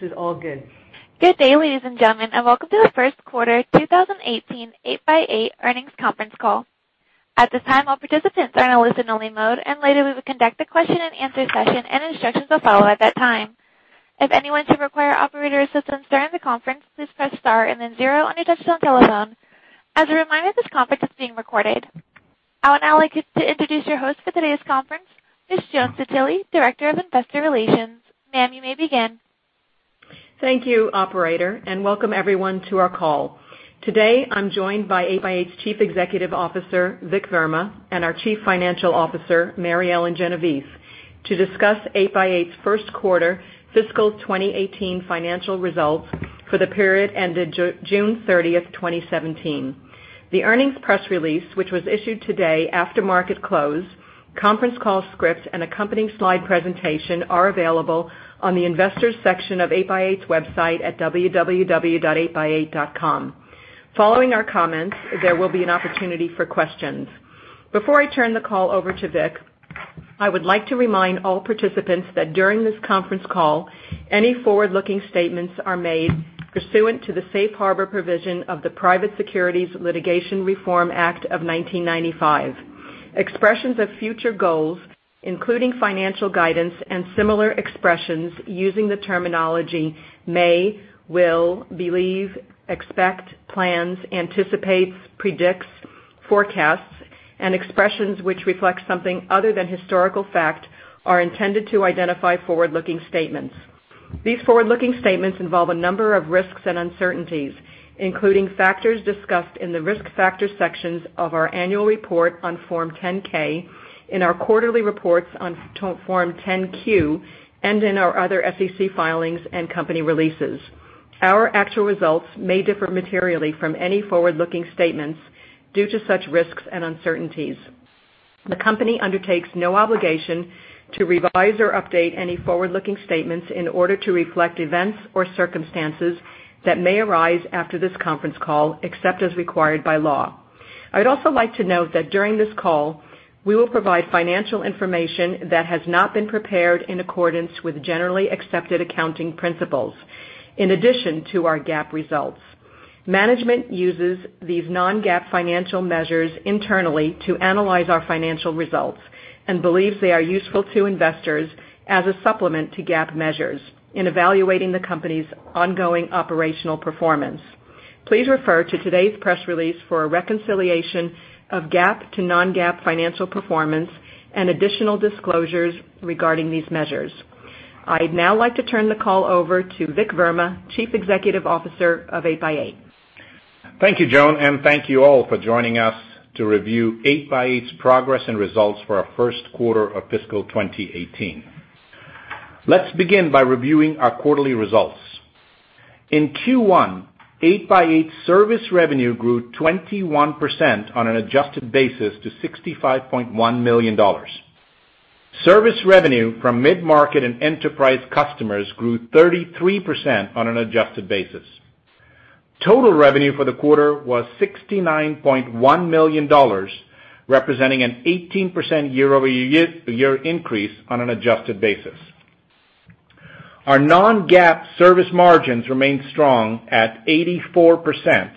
This is all good. Good day, ladies and gentlemen, and welcome to the first quarter 2018 8x8 earnings conference call. At this time, all participants are in a listen-only mode, and later we will conduct a question and answer session, and instructions will follow at that time. If anyone should require operator assistance during the conference, please press star and then zero on your touchtone telephone. As a reminder, this conference is being recorded. I would now like to introduce your host for today's conference, Ms. Joan Citelli, Director of Investor Relations. Ma'am, you may begin. Thank you, Operator, and welcome everyone to our call. Today, I'm joined by 8x8's Chief Executive Officer, Vik Verma, and our Chief Financial Officer, Mary Ellen Genovese, to discuss 8x8's first quarter fiscal 2018 financial results for the period ended June 30th, 2017. The earnings press release, which was issued today after market close, conference call script, and accompanying slide presentation are available on the investors section of 8x8's website at www.8x8.com. Following our comments, there will be an opportunity for questions. Before I turn the call over to Vik, I would like to remind all participants that during this conference call, any forward-looking statements are made pursuant to the Safe Harbor provision of the Private Securities Litigation Reform Act of 1995. Expressions of future goals, including financial guidance and similar expressions using the terminology may, will, believe, expect, plans, anticipates, predicts, forecasts, and expressions which reflect something other than historical fact, are intended to identify forward-looking statements. These forward-looking statements involve a number of risks and uncertainties, including factors discussed in the Risk Factors sections of our annual report on Form 10-K, in our quarterly reports on Form 10-Q, and in our other SEC filings and company releases. Our actual results may differ materially from any forward-looking statements due to such risks and uncertainties. The company undertakes no obligation to revise or update any forward-looking statements in order to reflect events or circumstances that may arise after this conference call, except as required by law. I would also like to note that during this call, we will provide financial information that has not been prepared in accordance with Generally Accepted Accounting Principles in addition to our GAAP results. Management uses these non-GAAP financial measures internally to analyze our financial results and believes they are useful to investors as a supplement to GAAP measures in evaluating the company's ongoing operational performance. Please refer to today's press release for a reconciliation of GAAP to non-GAAP financial performance and additional disclosures regarding these measures. I'd now like to turn the call over to Vik Verma, Chief Executive Officer of 8x8. Thank you, Joan, and thank you all for joining us to review 8x8's progress and results for our first quarter of FY 2018. Let's begin by reviewing our quarterly results. In Q1, 8x8's service revenue grew 21% on an adjusted basis to $65.1 million. Service revenue from mid-market and enterprise customers grew 33% on an adjusted basis. Total revenue for the quarter was $69.1 million, representing an 18% year-over-year increase on an adjusted basis. Our non-GAAP service margins remained strong at 84%,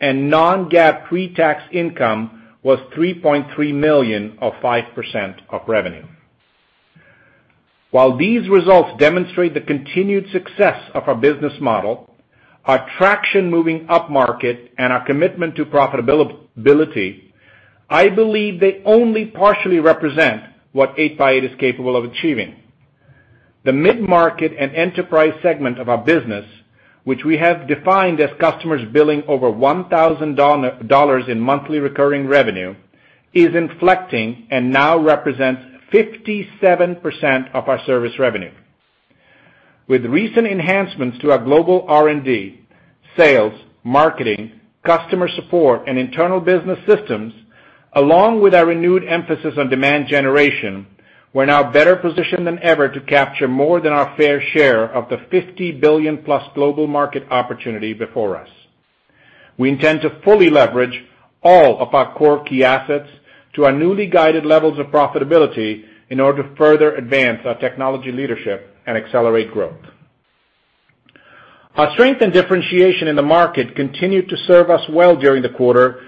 and non-GAAP pre-tax income was $3.3 million of 5% of revenue. While these results demonstrate the continued success of our business model, our traction moving up market, and our commitment to profitability, I believe they only partially represent what 8x8 is capable of achieving. The mid-market and enterprise segment of our business, which we have defined as customers billing over $1,000 in monthly recurring revenue, is inflecting and now represents 57% of our service revenue. With recent enhancements to our global R&D, sales, marketing, customer support, and internal business systems, along with our renewed emphasis on demand generation, we're now better positioned than ever to capture more than our fair share of the $50 billion-plus global market opportunity before us. We intend to fully leverage all of our core key assets to our newly guided levels of profitability in order to further advance our technology leadership and accelerate growth. Our strength and differentiation in the market continued to serve us well during the quarter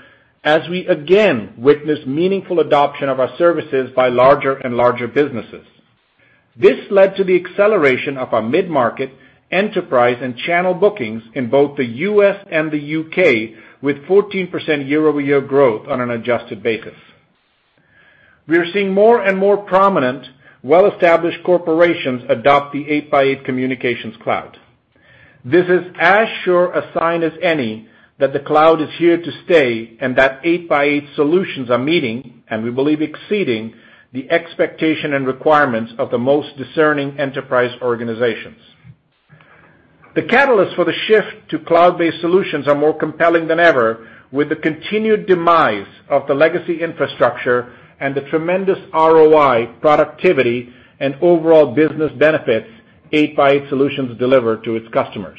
as we again witnessed meaningful adoption of our services by larger and larger businesses. This led to the acceleration of our mid-market, enterprise, and channel bookings in both the U.S. and the U.K., with 14% year-over-year growth on an adjusted basis. We are seeing more and more prominent, well-established corporations adopt the 8x8 Communications Cloud. This is as sure a sign as any that the cloud is here to stay and that 8x8 solutions are meeting, and we believe exceeding, the expectation and requirements of the most discerning enterprise organizations. The catalyst for the shift to cloud-based solutions are more compelling than ever with the continued demise of the legacy infrastructure and the tremendous ROI, productivity, and overall business benefits 8x8 solutions deliver to its customers.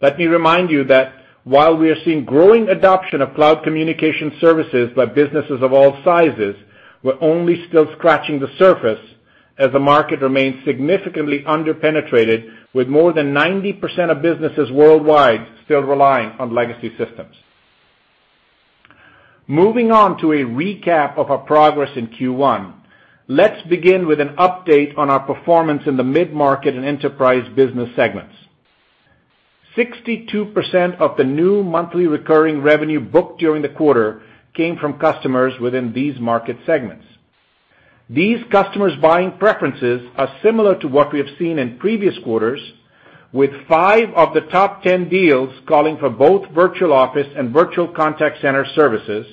Let me remind you that while we are seeing growing adoption of cloud communication services by businesses of all sizes, we're only still scratching the surface as the market remains significantly under-penetrated, with more than 90% of businesses worldwide still relying on legacy systems. Moving on to a recap of our progress in Q1, let's begin with an update on our performance in the mid-market and enterprise business segments. 62% of the new monthly recurring revenue booked during the quarter came from customers within these market segments. These customers' buying preferences are similar to what we have seen in previous quarters, with five of the top 10 deals calling for both Virtual Office and Virtual Contact Center services,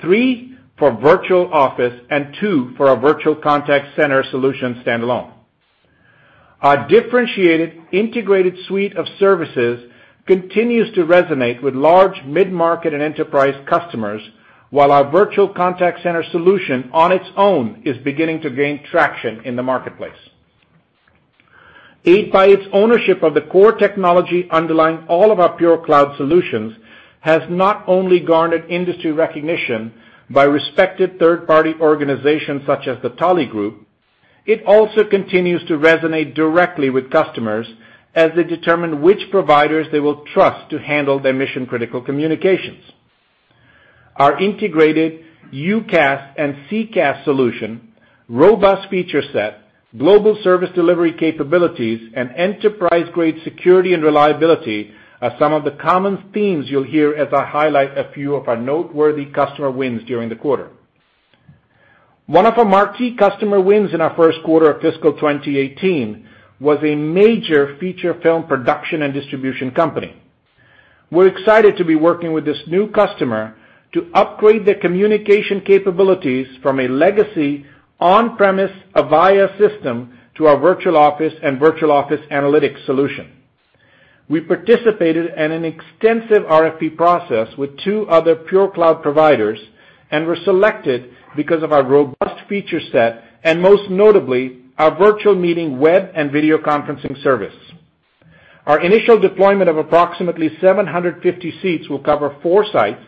three for Virtual Office, and two for our Virtual Contact Center solution standalone. Our differentiated, integrated suite of services continues to resonate with large mid-market and enterprise customers, while our Virtual Contact Center solution on its own is beginning to gain traction in the marketplace. 8x8's ownership of the core technology underlying all of our pure cloud solutions has not only garnered industry recognition by respected third-party organizations such as the Tolly Group, it also continues to resonate directly with customers as they determine which providers they will trust to handle their mission-critical communications. Our integrated UCaaS and CCaaS solution, robust feature set, global service delivery capabilities, and enterprise-grade security and reliability are some of the common themes you'll hear as I highlight a few of our noteworthy customer wins during the quarter. One of our marquee customer wins in our first quarter of fiscal 2018 was a major feature film production and distribution company. We're excited to be working with this new customer to upgrade their communication capabilities from a legacy on-premise Avaya system to our Virtual Office and Virtual Office Analytics solution. We participated in an extensive RFP process with two other pure cloud providers and were selected because of our robust feature set and most notably, our Virtual Meeting web and video conferencing service. Our initial deployment of approximately 750 seats will cover four sites,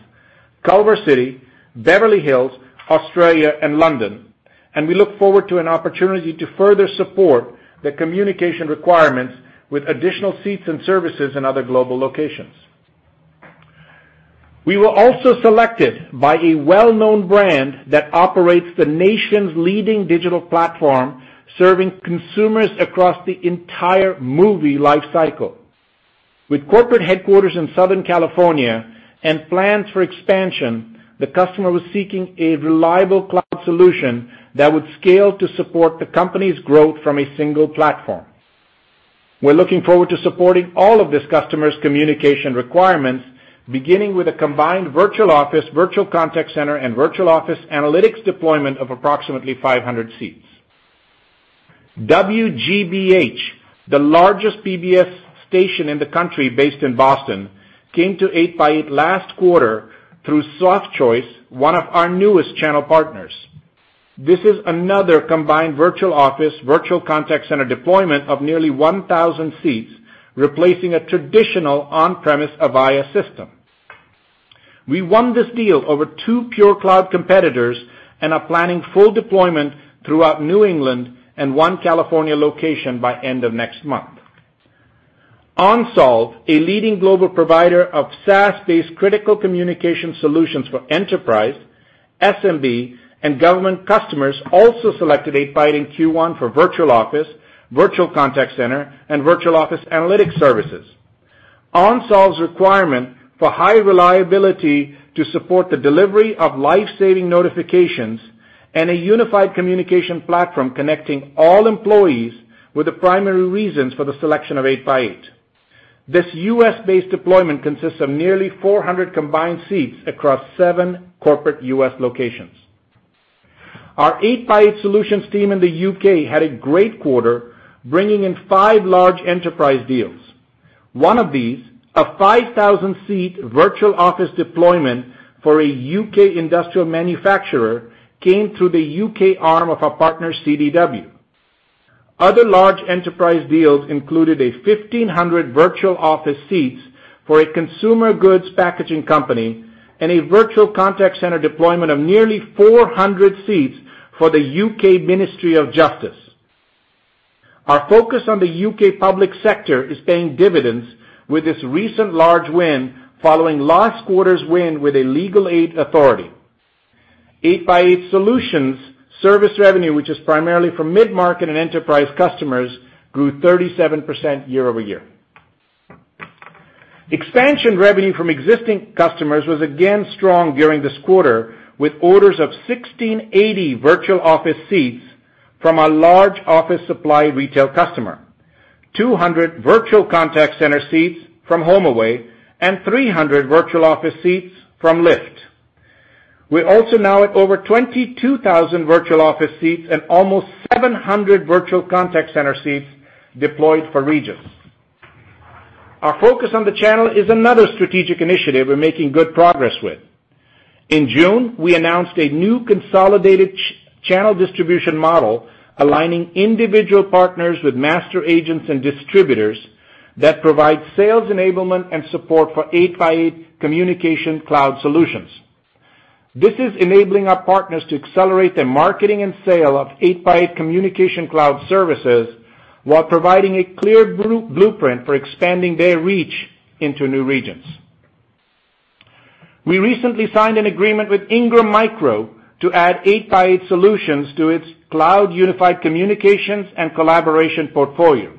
Culver City, Beverly Hills, Australia, and London, and we look forward to an opportunity to further support the communication requirements with additional seats and services in other global locations. We were also selected by a well-known brand that operates the nation's leading digital platform, serving consumers across the entire movie life cycle. With corporate headquarters in Southern California and plans for expansion, the customer was seeking a reliable cloud solution that would scale to support the company's growth from a single platform. We're looking forward to supporting all of this customer's communication requirements, beginning with a combined Virtual Office, Virtual Contact Center, and Virtual Office Analytics deployment of approximately 500 seats. WGBH, the largest PBS station in the country based in Boston, came to 8x8 last quarter through Softchoice, one of our newest channel partners. This is another combined Virtual Office, Virtual Contact Center deployment of nearly 1,000 seats, replacing a traditional on-premise Avaya system. We won this deal over two pure cloud competitors and are planning full deployment throughout New England and one California location by end of next month. OnSolve, a leading global provider of SaaS-based critical communication solutions for enterprise, SMB, and government customers, also selected 8x8 in Q1 for Virtual Office, Virtual Contact Center, and Virtual Office Analytics services. OnSolve's requirement for high reliability to support the delivery of life-saving notifications and a unified communication platform connecting all employees were the primary reasons for the selection of 8x8. This U.S.-based deployment consists of nearly 400 combined seats across seven corporate U.S. locations. Our 8x8 solutions team in the U.K. had a great quarter, bringing in five large enterprise deals. One of these, a 5,000-seat Virtual Office deployment for a U.K. industrial manufacturer, came through the U.K. arm of our partner, CDW. Other large enterprise deals included a 1,500 Virtual Office seats for a consumer goods packaging company and a Virtual Contact Center deployment of nearly 400 seats for the U.K. Ministry of Justice. Our focus on the U.K. public sector is paying dividends with this recent large win following last quarter's win with a legal aid authority. 8x8 solutions service revenue, which is primarily from mid-market and enterprise customers, grew 37% year-over-year. Expansion revenue from existing customers was again strong during this quarter, with orders of 1,680 Virtual Office seats from a large office supply retail customer, 200 Virtual Contact Center seats from HomeAway, and 300 Virtual Office seats from Lyft. We're also now at over 22,000 Virtual Office seats and almost 700 Virtual Contact Center seats deployed for Regus. Our focus on the channel is another strategic initiative we're making good progress with. In June, we announced a new consolidated channel distribution model aligning individual partners with master agents and distributors that provide sales enablement and support for 8x8 Communication Cloud solutions. This is enabling our partners to accelerate their marketing and sale of 8x8 Communication Cloud services while providing a clear blueprint for expanding their reach into new regions. We recently signed an agreement with Ingram Micro to add 8x8 solutions to its cloud unified communications and collaboration portfolio.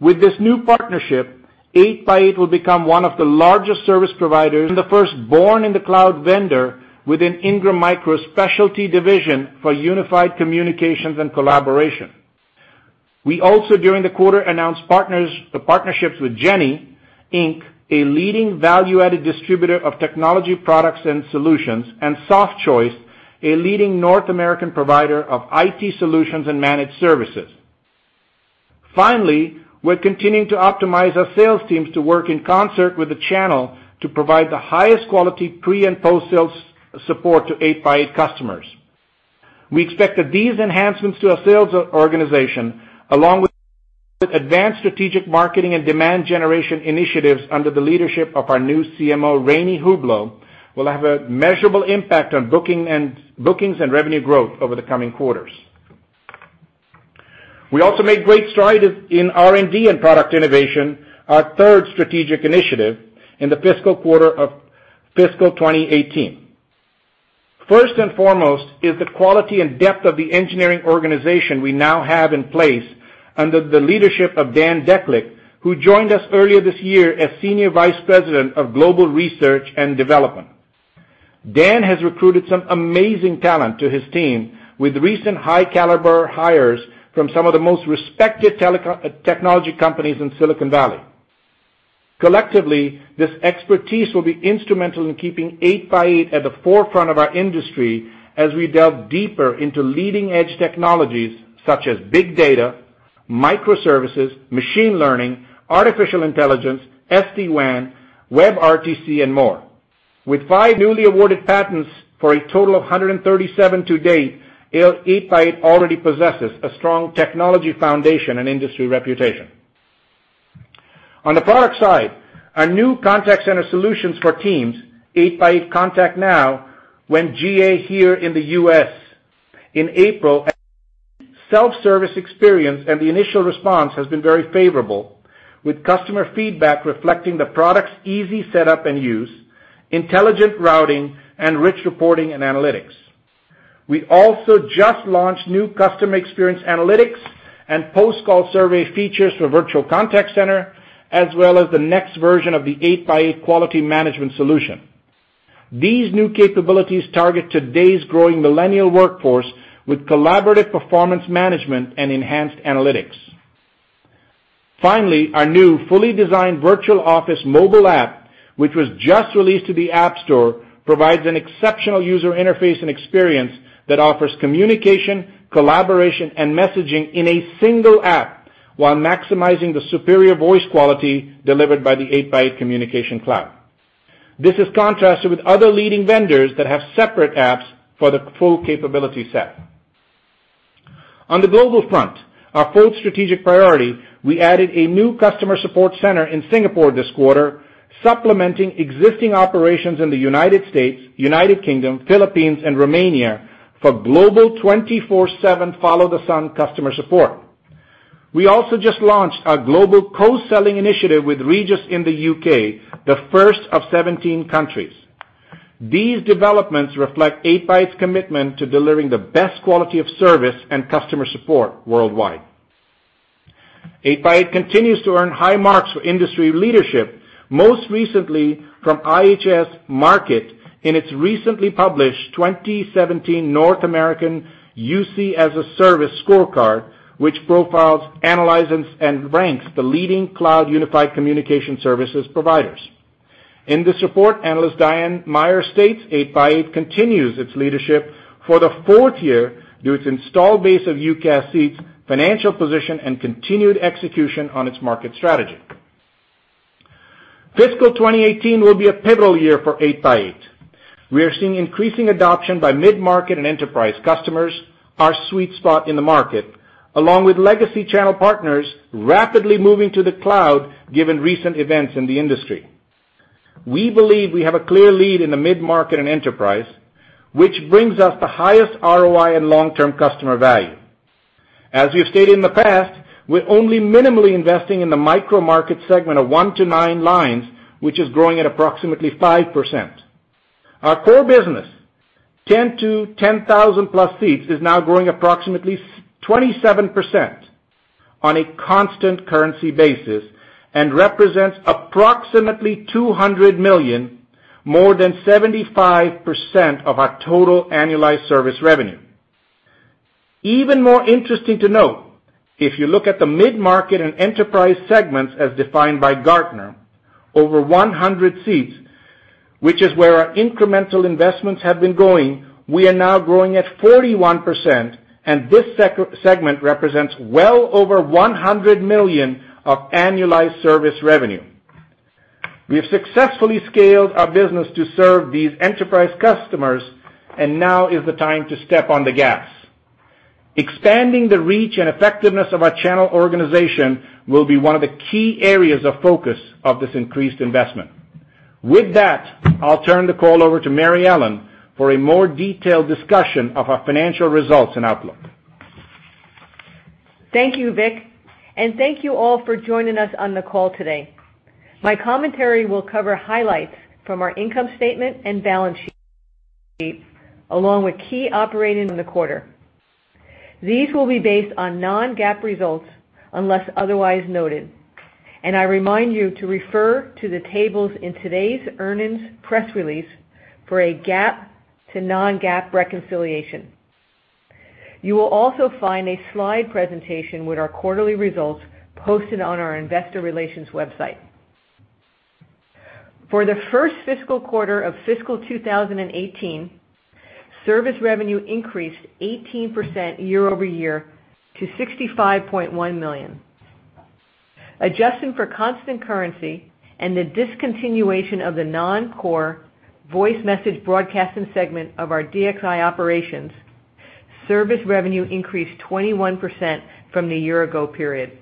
With this new partnership, 8x8 will become one of the largest service providers and the first born in the cloud vendor within Ingram Micro's specialty division for unified communications and collaboration. We also, during the quarter, announced partnerships with Jenne Inc, a leading value-added distributor of technology products and solutions, and Softchoice, a leading North American provider of IT solutions and managed services. Finally, we're continuing to optimize our sales teams to work in concert with the channel to provide the highest quality pre- and post-sales support to 8x8 customers. We expect that these enhancements to our sales organization, along with advanced strategic marketing and demand generation initiatives under the leadership of our new CMO, Rani Hublou, will have a measurable impact on bookings and revenue growth over the coming quarters. We also made great strides in R&D and product innovation, our third strategic initiative in the fiscal quarter of fiscal 2018. First and foremost is the quality and depth of the engineering organization we now have in place under the leadership of Dejan Deklich, who joined us earlier this year as Senior Vice President of Global Research and Development. Dejan has recruited some amazing talent to his team with recent high-caliber hires from some of the most respected technology companies in Silicon Valley. Collectively, this expertise will be instrumental in keeping 8x8 at the forefront of our industry as we delve deeper into leading-edge technologies such as big data, microservices, machine learning, artificial intelligence, SD-WAN, WebRTC, and more. With five newly awarded patents for a total of 137 to date, 8x8 already possesses a strong technology foundation and industry reputation. On the product side, our new contact center solutions for teams, 8x8 ContactNow, went GA here in the U.S. in April. Self-service experience and the initial response has been very favorable, with customer feedback reflecting the product's easy setup and use, intelligent routing, and rich reporting and analytics. We also just launched new customer experience analytics and post-call survey features for Virtual Contact Center, as well as the next version of the 8x8 Quality Management solution. These new capabilities target today's growing millennial workforce with collaborative performance management and enhanced analytics. Finally, our new fully designed Virtual Office mobile app, which was just released to the App Store, provides an exceptional user interface and experience that offers communication, collaboration, and messaging in a single app while maximizing the superior voice quality delivered by the 8x8 Communications Cloud. This is contrasted with other leading vendors that have separate apps for the full capability set. On the global front, our fourth strategic priority, we added a new customer support center in Singapore this quarter, supplementing existing operations in the United States, United Kingdom, Philippines, and Romania for global 24/7 follow-the-sun customer support. We also just launched our global co-selling initiative with Regus in the U.K., the first of 17 countries. These developments reflect 8x8's commitment to delivering the best quality of service and customer support worldwide. 8x8 continues to earn high marks for industry leadership, most recently from IHS Markit in its recently published 2017 North American UCaaS scorecard, which profiles, analyzes, and ranks the leading cloud unified communication services providers. In this report, analyst Diane Myers states 8x8 continues its leadership for the fourth year due to its installed base of UCaaS seats, financial position, and continued execution on its market strategy. Fiscal 2018 will be a pivotal year for 8x8. We are seeing increasing adoption by mid-market and enterprise customers, our sweet spot in the market, along with legacy channel partners rapidly moving to the cloud given recent events in the industry. We believe we have a clear lead in the mid-market and enterprise, which brings us the highest ROI and long-term customer value. As we've stated in the past, we're only minimally investing in the micro-market segment of one to nine lines, which is growing at approximately 5%. Our core business, 10 to 10,000 plus seats, is now growing approximately 27% on a constant currency basis and represents approximately $200 million, more than 75% of our total annualized service revenue. Even more interesting to note, if you look at the mid-market and enterprise segments as defined by Gartner, over 100 seats, which is where our incremental investments have been going, we are now growing at 41%, and this segment represents well over $100 million of annualized service revenue. We have successfully scaled our business to serve these enterprise customers, and now is the time to step on the gas. Expanding the reach and effectiveness of our channel organization will be one of the key areas of focus of this increased investment. With that, I'll turn the call over to Mary Ellen for a more detailed discussion of our financial results and outlook. Thank you, Vik, and thank you all for joining us on the call today. My commentary will cover highlights from our income statement and balance sheet, along with key operating in the quarter. These will be based on non-GAAP results unless otherwise noted, and I remind you to refer to the tables in today's earnings press release for a GAAP to non-GAAP reconciliation. You will also find a slide presentation with our quarterly results posted on our investor relations website. For the first fiscal quarter of fiscal 2018, service revenue increased 18% year-over-year to $65.1 million. Adjusting for constant currency and the discontinuation of the non-core voice message broadcasting segment of our DXI operations, service revenue increased 21% from the year ago period.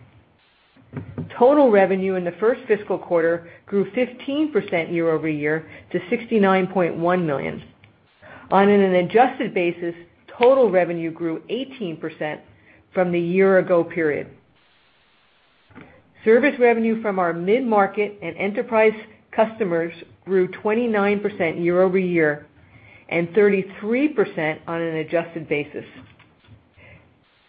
Total revenue in the first fiscal quarter grew 15% year-over-year to $69.1 million. On an adjusted basis, total revenue grew 18% from the year ago period. Service revenue from our mid-market and enterprise customers grew 29% year-over-year and 33% on an adjusted basis.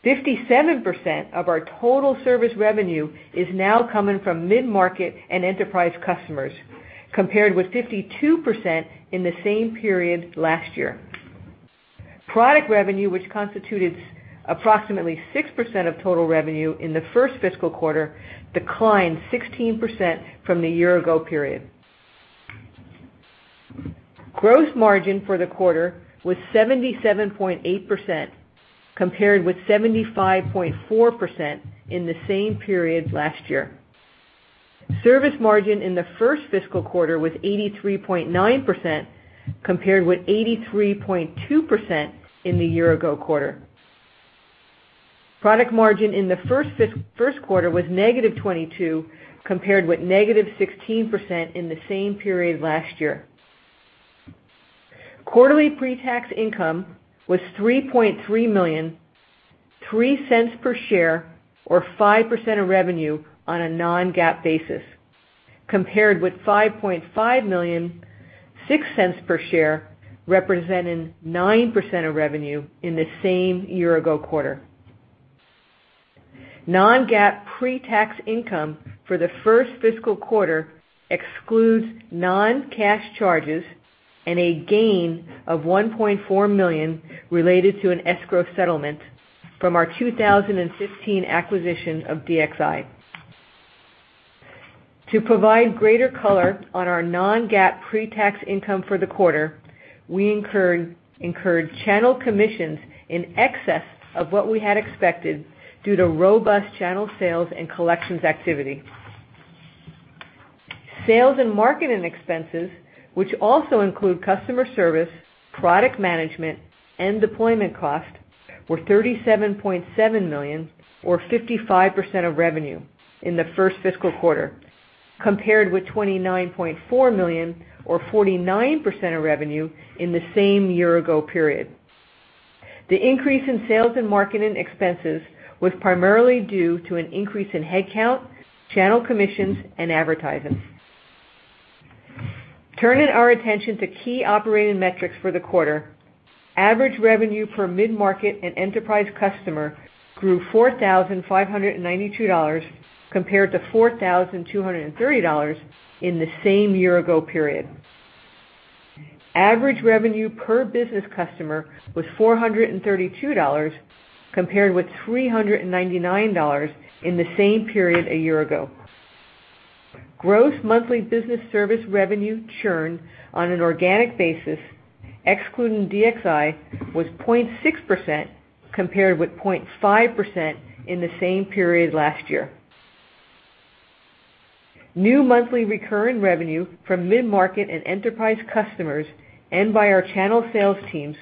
57% of our total service revenue is now coming from mid-market and enterprise customers, compared with 52% in the same period last year. Product revenue, which constituted approximately 6% of total revenue in the first fiscal quarter, declined 16% from the year ago period. Gross margin for the quarter was 77.8%, compared with 75.4% in the same period last year. Service margin in the first fiscal quarter was 83.9%, compared with 83.2% in the year ago quarter. Product margin in the first quarter was negative 22%, compared with negative 16% in the same period last year. Quarterly pre-tax income was $3.3 million, $0.03 per share or 5% of revenue on a non-GAAP basis, compared with $5.5 million, $0.06 per share, representing 9% of revenue in the same year-ago quarter. Non-GAAP pre-tax income for the first fiscal quarter excludes non-cash charges and a gain of $1.4 million related to an escrow settlement from our 2015 acquisition of DXI. To provide greater color on our non-GAAP pre-tax income for the quarter, we incurred channel commissions in excess of what we had expected due to robust channel sales and collections activity. Sales and marketing expenses, which also include customer service, product management, and deployment costs, were $37.7 million or 55% of revenue in the first fiscal quarter, compared with $29.4 million or 49% of revenue in the same year-ago period. The increase in sales and marketing expenses was primarily due to an increase in headcount, channel commissions and advertising. Turning our attention to key operating metrics for the quarter. Average revenue per mid-market and enterprise customer grew $4,592 compared to $4,230 in the same year-ago period. Average revenue per business customer was $432, compared with $399 in the same period a year ago. Gross monthly business service revenue churn on an organic basis, excluding DXI, was 0.6%, compared with 0.5% in the same period last year. New monthly recurring revenue from mid-market and enterprise customers and by our channel sales teams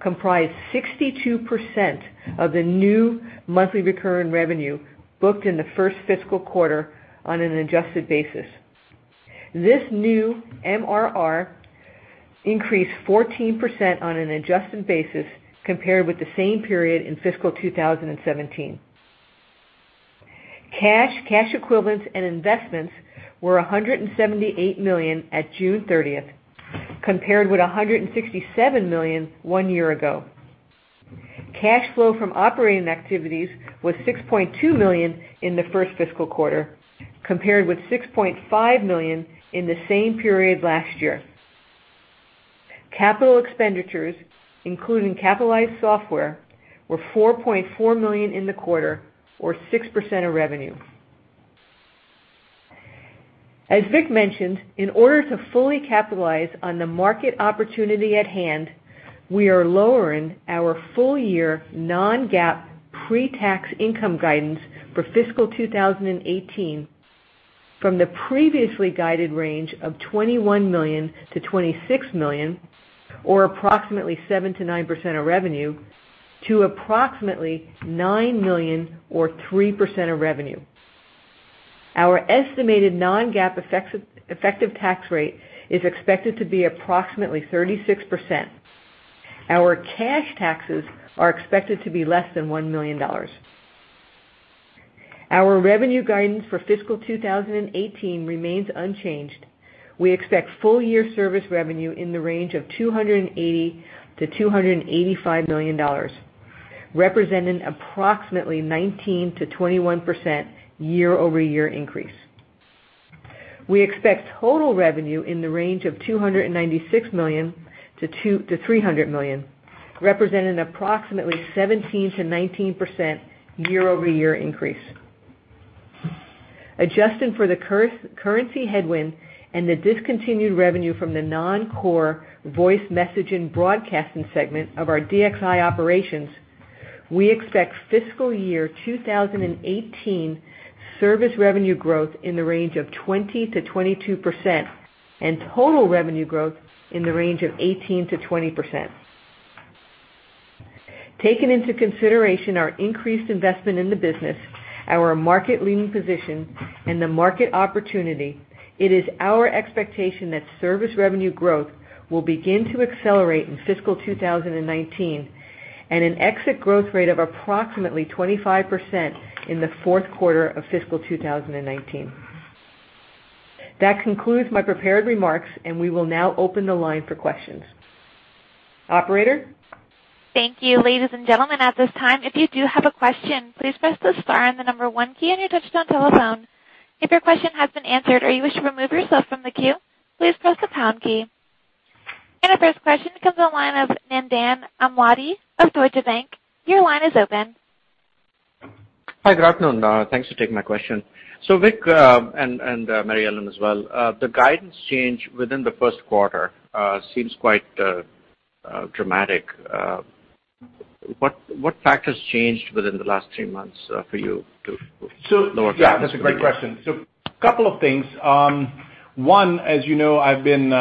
comprised 62% of the new monthly recurring revenue booked in the first fiscal quarter on an adjusted basis. This new MRR increased 14% on an adjusted basis compared with the same period in fiscal 2017. Cash, cash equivalents and investments were $178 million at June 30th, compared with $167 million one year ago. Cash flow from operating activities was $6.2 million in the first fiscal quarter, compared with $6.5 million in the same period last year. Capital expenditures, including capitalized software, were $4.4 million in the quarter, or 6% of revenue. As Vik mentioned, in order to fully capitalize on the market opportunity at hand, we are lowering our full year non-GAAP pre-tax income guidance for fiscal 2018 from the previously guided range of $21 million-$26 million, or approximately 7%-9% of revenue, to approximately $9 million or 3% of revenue. Our estimated non-GAAP effective tax rate is expected to be approximately 36%. Our cash taxes are expected to be less than $1 million. Our revenue guidance for fiscal 2018 remains unchanged. We expect full year service revenue in the range of $280 million-$285 million, representing approximately 19%-21% year-over-year increase. We expect total revenue in the range of $296 million-$300 million, representing approximately 17%-19% year-over-year increase. Adjusted for the currency headwind and the discontinued revenue from the non-core voice message and broadcasting segment of our DXI operations, we expect fiscal year 2018 service revenue growth in the range of 20%-22% and total revenue growth in the range of 18%-20%. Taking into consideration our increased investment in the business, our market-leading position, and the market opportunity, it is our expectation that service revenue growth will begin to accelerate in fiscal 2019, and an exit growth rate of approximately 25% in the fourth quarter of fiscal 2019. That concludes my prepared remarks, we will now open the line for questions. Operator? Thank you. Ladies and gentlemen, at this time, if you do have a question, please press the star and the number 1 key on your touch-tone telephone. If your question has been answered or you wish to remove yourself from the queue, please press the pound key. Our first question comes on the line of Nandan Amladi of Deutsche Bank. Your line is open. Hi, good afternoon. Thanks for taking my question. Vik, and Mary Ellen as well, the guidance change within the first quarter seems quite dramatic. What factors changed within the last three months for you to lower guidance? Yeah, that's a great question. A couple of things. One, as you know, I've been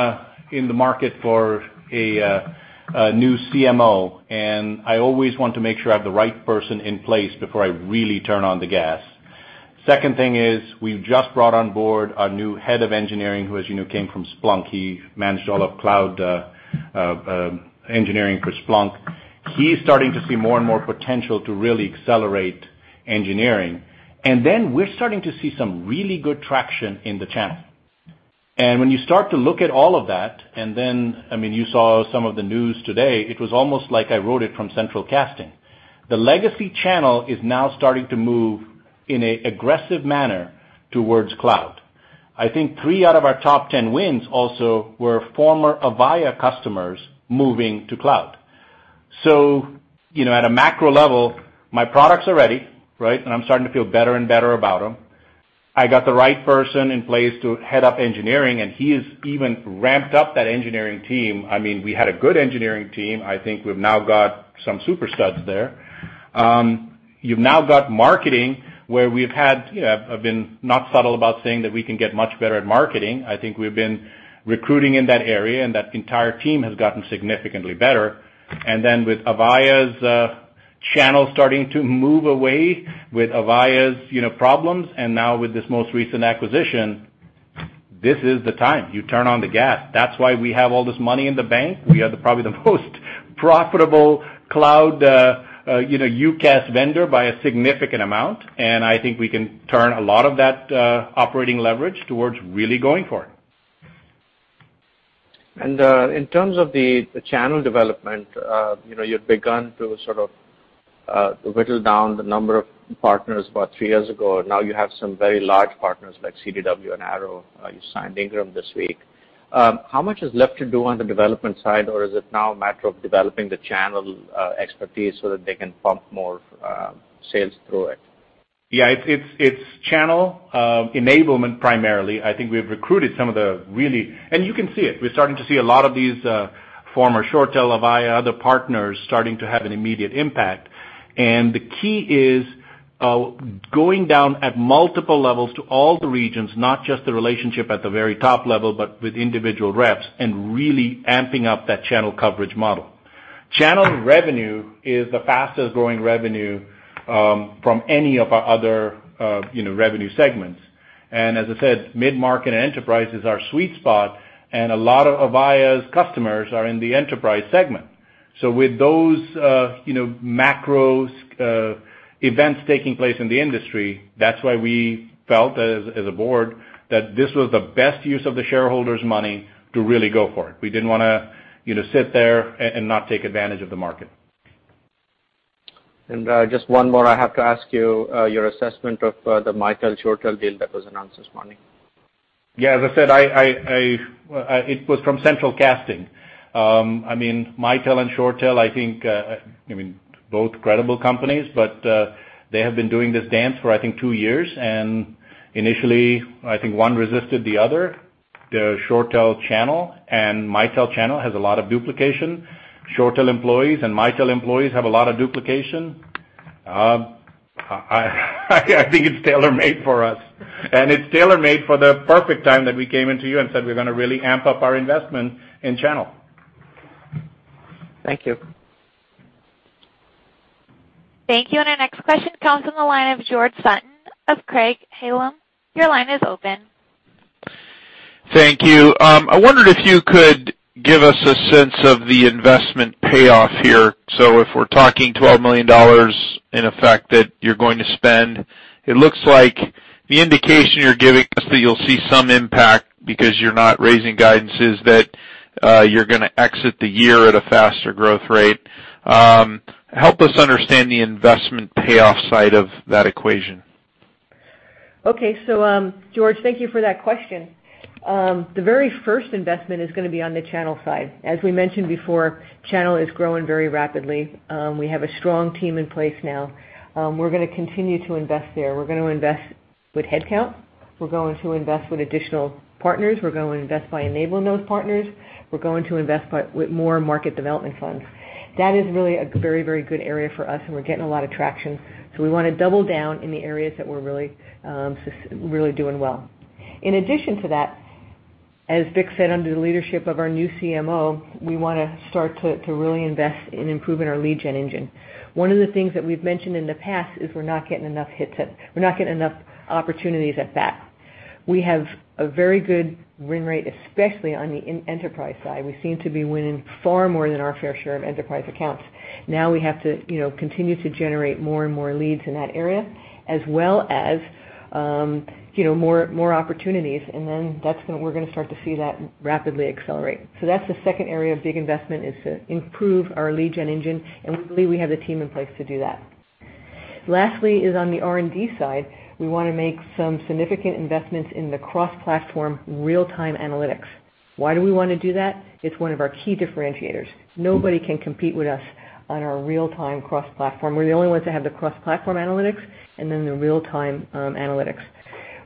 in the market for a new CMO, and I always want to make sure I have the right person in place before I really turn on the gas. Second thing is we've just brought on board our new head of engineering, who, as you know, came from Splunk. He managed all of cloud engineering for Splunk. He's starting to see more and more potential to really accelerate engineering. Then we're starting to see some really good traction in the channel. When you start to look at all of that, then you saw some of the news today, it was almost like I wrote it from central casting. The legacy channel is now starting to move in an aggressive manner towards cloud. I think three out of our top 10 wins also were former Avaya customers moving to cloud. At a macro level, my products are ready, right? I'm starting to feel better and better about them. I got the right person in place to head up engineering, and he has even ramped up that engineering team. We had a good engineering team. I think we've now got some super studs there. You've now got marketing where I've been not subtle about saying that we can get much better at marketing. I think we've been recruiting in that area, and that entire team has gotten significantly better. Then with Avaya's channel starting to move away with Avaya's problems, and now with this most recent acquisition, this is the time. You turn on the gas. That's why we have all this money in the bank. We are probably the most profitable cloud UCaaS vendor by a significant amount, and I think we can turn a lot of that operating leverage towards really going for it. In terms of the channel development, you'd begun to sort of whittle down the number of partners about 3 years ago. Now you have some very large partners like CDW and Arrow. You signed Ingram this week. How much is left to do on the development side, or is it now a matter of developing the channel expertise so that they can pump more sales through it? Yeah. It's channel enablement, primarily. I think we've recruited some of the really. You can see it. We're starting to see a lot of these former ShoreTel, Avaya, other partners starting to have an immediate impact. The key is going down at multiple levels to all the regions, not just the relationship at the very top level, but with individual reps, and really amping up that channel coverage model. Channel revenue is the fastest-growing revenue from any of our other revenue segments. As I said, mid-market enterprise is our sweet spot, and a lot of Avaya's customers are in the enterprise segment. With those macro events taking place in the industry, that's why we felt, as a board, that this was the best use of the shareholders' money to really go for it. We didn't want to sit there and not take advantage of the market. Just one more I have to ask you, your assessment of the Mitel-ShoreTel deal that was announced this morning. Yeah, as I said, it was from central casting. Mitel and ShoreTel, I think both credible companies, but they have been doing this dance for, I think, 2 years. Initially, I think one resisted the other The ShoreTel channel and Mitel channel has a lot of duplication. ShoreTel employees and Mitel employees have a lot of duplication. I think it's tailor-made for us, and it's tailor-made for the perfect time that we came into you and said we're going to really amp up our investment in channel. Thank you. Thank you. Our next question comes from the line of George Sutton of Craig-Hallum. Your line is open. Thank you. I wondered if you could give us a sense of the investment payoff here. If we're talking $12 million in effect that you're going to spend, it looks like the indication you're giving us that you'll see some impact because you're not raising guidance, is that you're going to exit the year at a faster growth rate. Help us understand the investment payoff side of that equation. Okay. George, thank you for that question. The very first investment is going to be on the channel side. As we mentioned before, channel is growing very rapidly. We have a strong team in place now. We're going to continue to invest there. We're going to invest with headcount. We're going to invest with additional partners. We're going to invest by enabling those partners. We're going to invest with more market development funds. That is really a very good area for us, and we're getting a lot of traction. We want to double down in the areas that we're really doing well. In addition to that, as Vik said, under the leadership of our new CMO, we want to start to really invest in improving our lead gen engine. One of the things that we've mentioned in the past is we're not getting enough hits. We're not getting enough opportunities at bat. We have a very good win rate, especially on the enterprise side. We seem to be winning far more than our fair share of enterprise accounts. We have to continue to generate more and more leads in that area, as well as more opportunities, and then we're going to start to see that rapidly accelerate. That's the second area of big investment, is to improve our lead gen engine, and we believe we have the team in place to do that. Lastly is on the R&D side. We want to make some significant investments in the cross-platform real-time analytics. Why do we want to do that? It's one of our key differentiators. Nobody can compete with us on our real-time cross-platform. We're the only ones that have the cross-platform analytics and then the real-time analytics.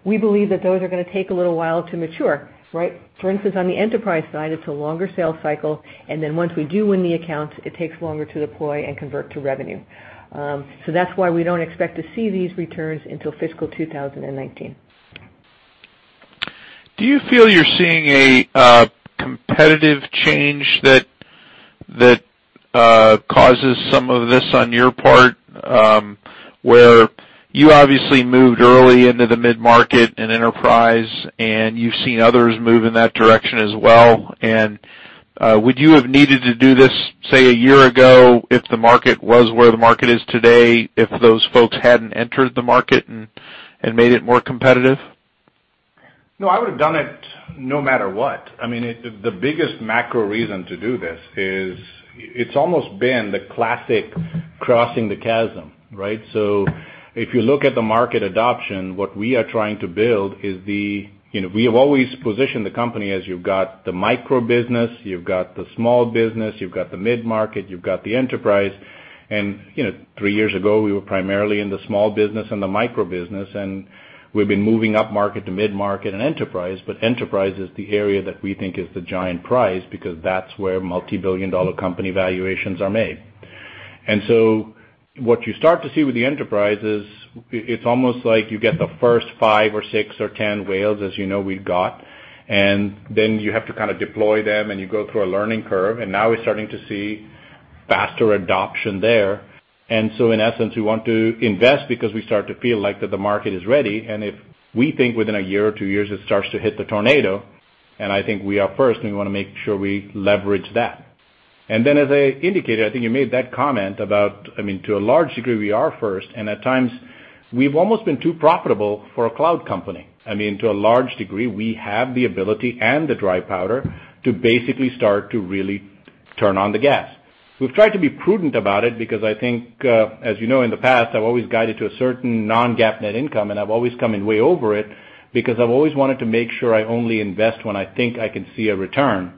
We believe that those are going to take a little while to mature, right? For instance, on the enterprise side, it's a longer sales cycle, and then once we do win the accounts, it takes longer to deploy and convert to revenue. That's why we don't expect to see these returns until fiscal 2019. Do you feel you're seeing a competitive change that causes some of this on your part, where you obviously moved early into the mid-market and enterprise, and you've seen others move in that direction as well. Would you have needed to do this, say, a year ago, if the market was where the market is today, if those folks hadn't entered the market and made it more competitive? I would've done it no matter what. The biggest macro reason to do this is it's almost been the classic crossing the chasm, right? If you look at the market adoption, what we are trying to build is We have always positioned the company as you've got the micro business, you've got the small business, you've got the mid-market, you've got the enterprise, and three years ago, we were primarily in the small business and the micro business, and we've been moving up market to mid-market and enterprise. Enterprise is the area that we think is the giant prize because that's where multi-billion dollar company valuations are made. What you start to see with the enterprise is it's almost like you get the first five or six or 10 whales, as you know we've got, and then you have to deploy them and you go through a learning curve, and now we're starting to see faster adoption there. In essence, we want to invest because we start to feel like that the market is ready, and if we think within a year or two years, it starts to hit the tornado, and I think we are first, and we want to make sure we leverage that. As I indicated, I think you made that comment about, to a large degree, we are first, and at times we've almost been too profitable for a cloud company. To a large degree, we have the ability and the dry powder to basically start to really turn on the gas. We've tried to be prudent about it because I think, as you know, in the past, I've always guided to a certain non-GAAP net income, and I've always come in way over it because I've always wanted to make sure I only invest when I think I can see a return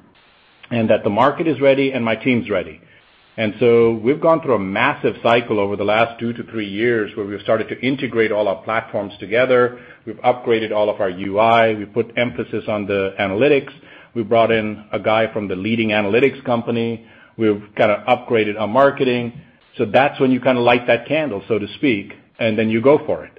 and that the market is ready and my team's ready. We've gone through a massive cycle over the last two to three years where we've started to integrate all our platforms together. We've upgraded all of our UI. We put emphasis on the analytics. We brought in a guy from the leading analytics company. We've upgraded our marketing. That's when you light that candle, so to speak, you go for it.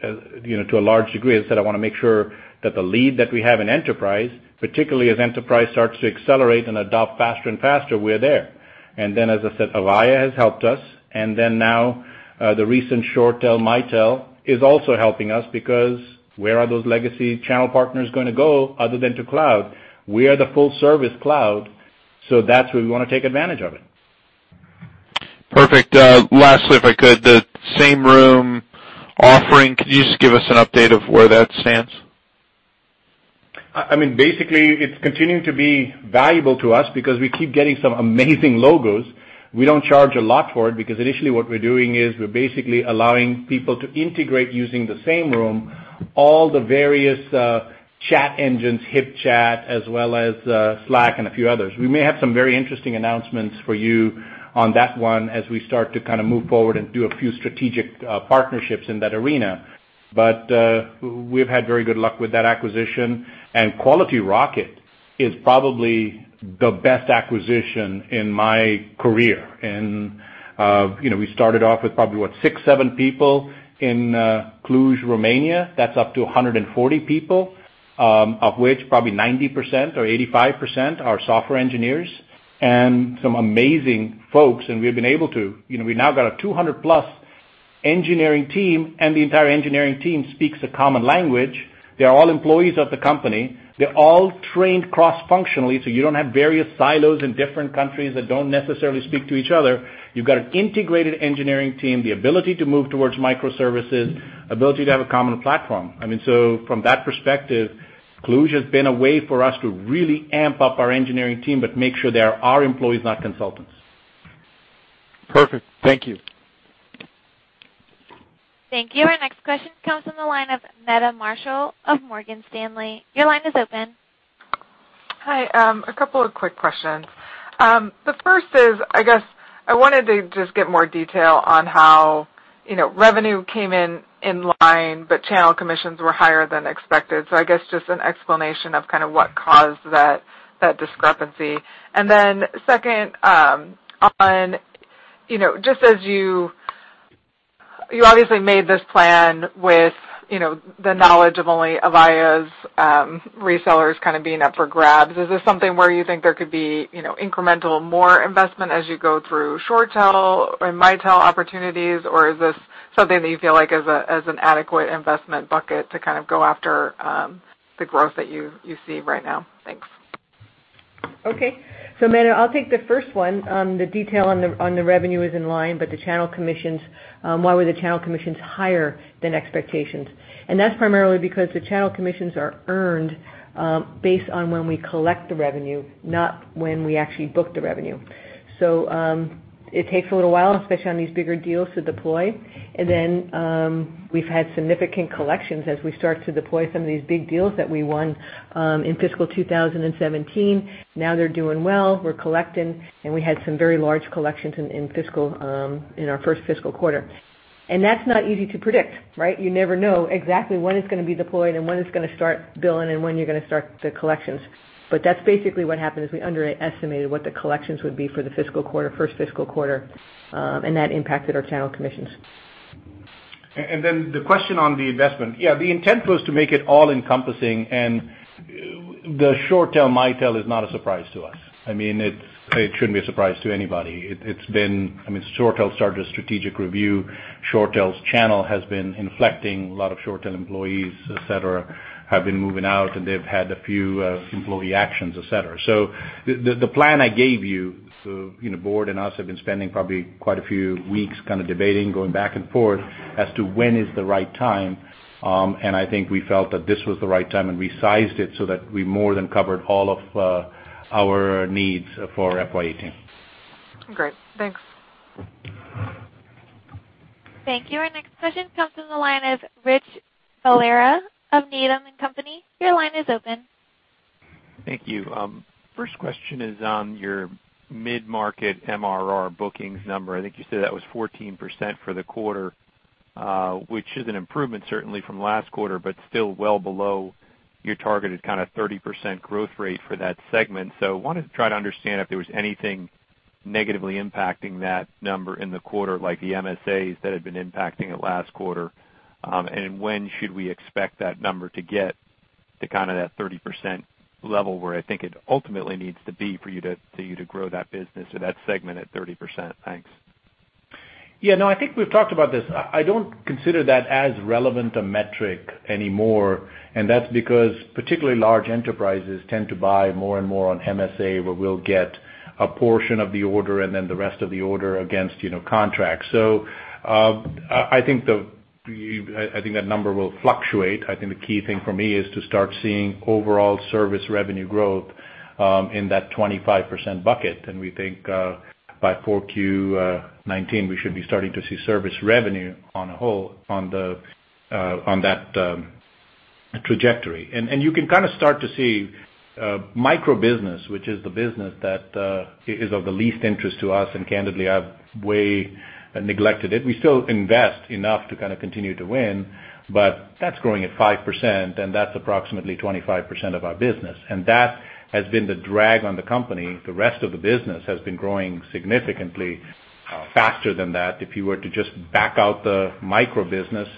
To a large degree, as I said, I want to make sure that the lead that we have in enterprise, particularly as enterprise starts to accelerate and adopt faster and faster, we're there. As I said, Avaya has helped us, now, the recent ShoreTel-Mitel is also helping us because where are those legacy channel partners going to go other than to cloud? We are the full service cloud, that's where we want to take advantage of it. Perfect. Lastly, if I could, the Sameroom offering, could you just give us an update of where that stands? It's continuing to be valuable to us because we keep getting some amazing logos. We don't charge a lot for it because initially what we're doing is we're basically allowing people to integrate using the Sameroom, all the various chat engines, HipChat as well as Slack and a few others. We may have some very interesting announcements for you on that one as we start to move forward and do a few strategic partnerships in that arena. We've had very good luck with that acquisition, and Quality Software Corp. is probably the best acquisition in my career. We started off with probably, what, six, seven people in Cluj, Romania. That's up to 140 people, of which probably 90% or 85% are software engineers and some amazing folks, and we've now got a 200-plus engineering team, and the entire engineering team speaks a common language. They're all employees of the company. They're all trained cross-functionally, so you don't have various silos in different countries that don't necessarily speak to each other. You've got an integrated engineering team, the ability to move towards microservices, ability to have a common platform. From that perspective, Cluj has been a way for us to really amp up our engineering team, but make sure they are our employees, not consultants. Perfect. Thank you. Thank you. Our next question comes from the line of Meta Marshall of Morgan Stanley. Your line is open. Hi. A couple of quick questions. The first is, I guess, I wanted to just get more detail on how revenue came in inline, but channel commissions were higher than expected. I guess just an explanation of kind of what caused that discrepancy. Second, you obviously made this plan with the knowledge of only Avaya's resellers kind of being up for grabs. Is this something where you think there could be incremental more investment as you go through ShoreTel and Mitel opportunities? Or is this something that you feel like is an adequate investment bucket to kind of go after the growth that you see right now? Thanks. Okay. Meta, I'll take the first one on the detail on the revenue is in line, but why were the channel commissions higher than expectations? That's primarily because the channel commissions are earned based on when we collect the revenue, not when we actually book the revenue. It takes a little while, especially on these bigger deals, to deploy. We've had significant collections as we start to deploy some of these big deals that we won in fiscal 2017. Now they're doing well. We're collecting, and we had some very large collections in our first fiscal quarter. That's not easy to predict, right? You never know exactly when it's going to be deployed and when it's going to start billing and when you're going to start the collections. That's basically what happened, is we underestimated what the collections would be for the first fiscal quarter, and that impacted our channel commissions. The question on the investment. The intent was to make it all-encompassing, and the ShoreTel-Mitel is not a surprise to us. It shouldn't be a surprise to anybody. ShoreTel started a strategic review. ShoreTel's channel has been inflecting. A lot of ShoreTel employees, et cetera, have been moving out, and they've had a few employee actions, et cetera. The plan I gave you, the board and us have been spending probably quite a few weeks kind of debating, going back and forth as to when is the right time. I think we felt that this was the right time, and we sized it so that we more than covered all of our needs for FY 2018. Great. Thanks. Thank you. Our next question comes from the line of Rich Valera of Needham & Company. Your line is open. Thank you. First question is on your mid-market MRR bookings number. I think you said that was 14% for the quarter, which is an improvement certainly from last quarter, but still well below your targeted kind of 30% growth rate for that segment. Wanted to try to understand if there was anything negatively impacting that number in the quarter, like the MSAs that had been impacting it last quarter. When should we expect that number to get to kind of that 30% level, where I think it ultimately needs to be for you to grow that business or that segment at 30%? Thanks. I think we've talked about this. I don't consider that as relevant a metric anymore. That's because particularly large enterprises tend to buy more and more on MSA, where we'll get a portion of the order and then the rest of the order against contracts. I think that number will fluctuate. I think the key thing for me is to start seeing overall service revenue growth in that 25% bucket. We think by 4Q 2019, we should be starting to see service revenue on a whole on that trajectory. You can kind of start to see micro-business, which is the business that is of the least interest to us, and candidly, I've way neglected it. We still invest enough to kind of continue to win, but that's growing at 5%, and that's approximately 25% of our business, and that has been the drag on the company. The rest of the business has been growing significantly faster than that. If you were to just back out the micro business,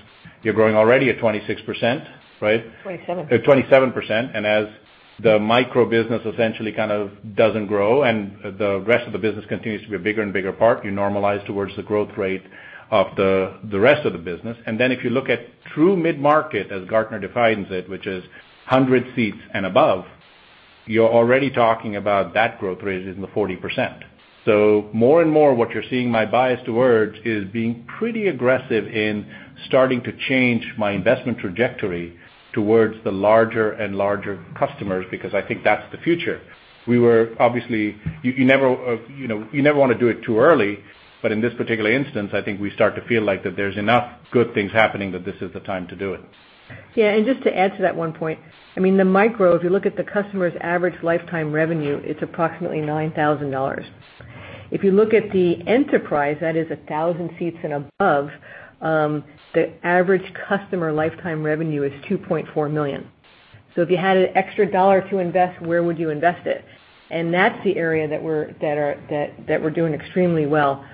you're growing already at 26%, right? Twenty-seven. At 27%. As the micro business essentially kind of doesn't grow and the rest of the business continues to be a bigger and bigger part, you normalize towards the growth rate of the rest of the business. Then if you look at true mid-market, as Gartner defines it, which is 100 seats and above, you're already talking about that growth rate is in the 40%. More and more what you're seeing my bias towards is being pretty aggressive in starting to change my investment trajectory towards the larger and larger customers because I think that's the future. You never want to do it too early, but in this particular instance, I think we start to feel like that there's enough good things happening, that this is the time to do it. Just to add to that one point. The micro, if you look at the customer's average lifetime revenue, it's approximately $9,000. If you look at the enterprise, that is 1,000 seats and above, the average customer lifetime revenue is $2.4 million. That's the area that we're doing extremely well.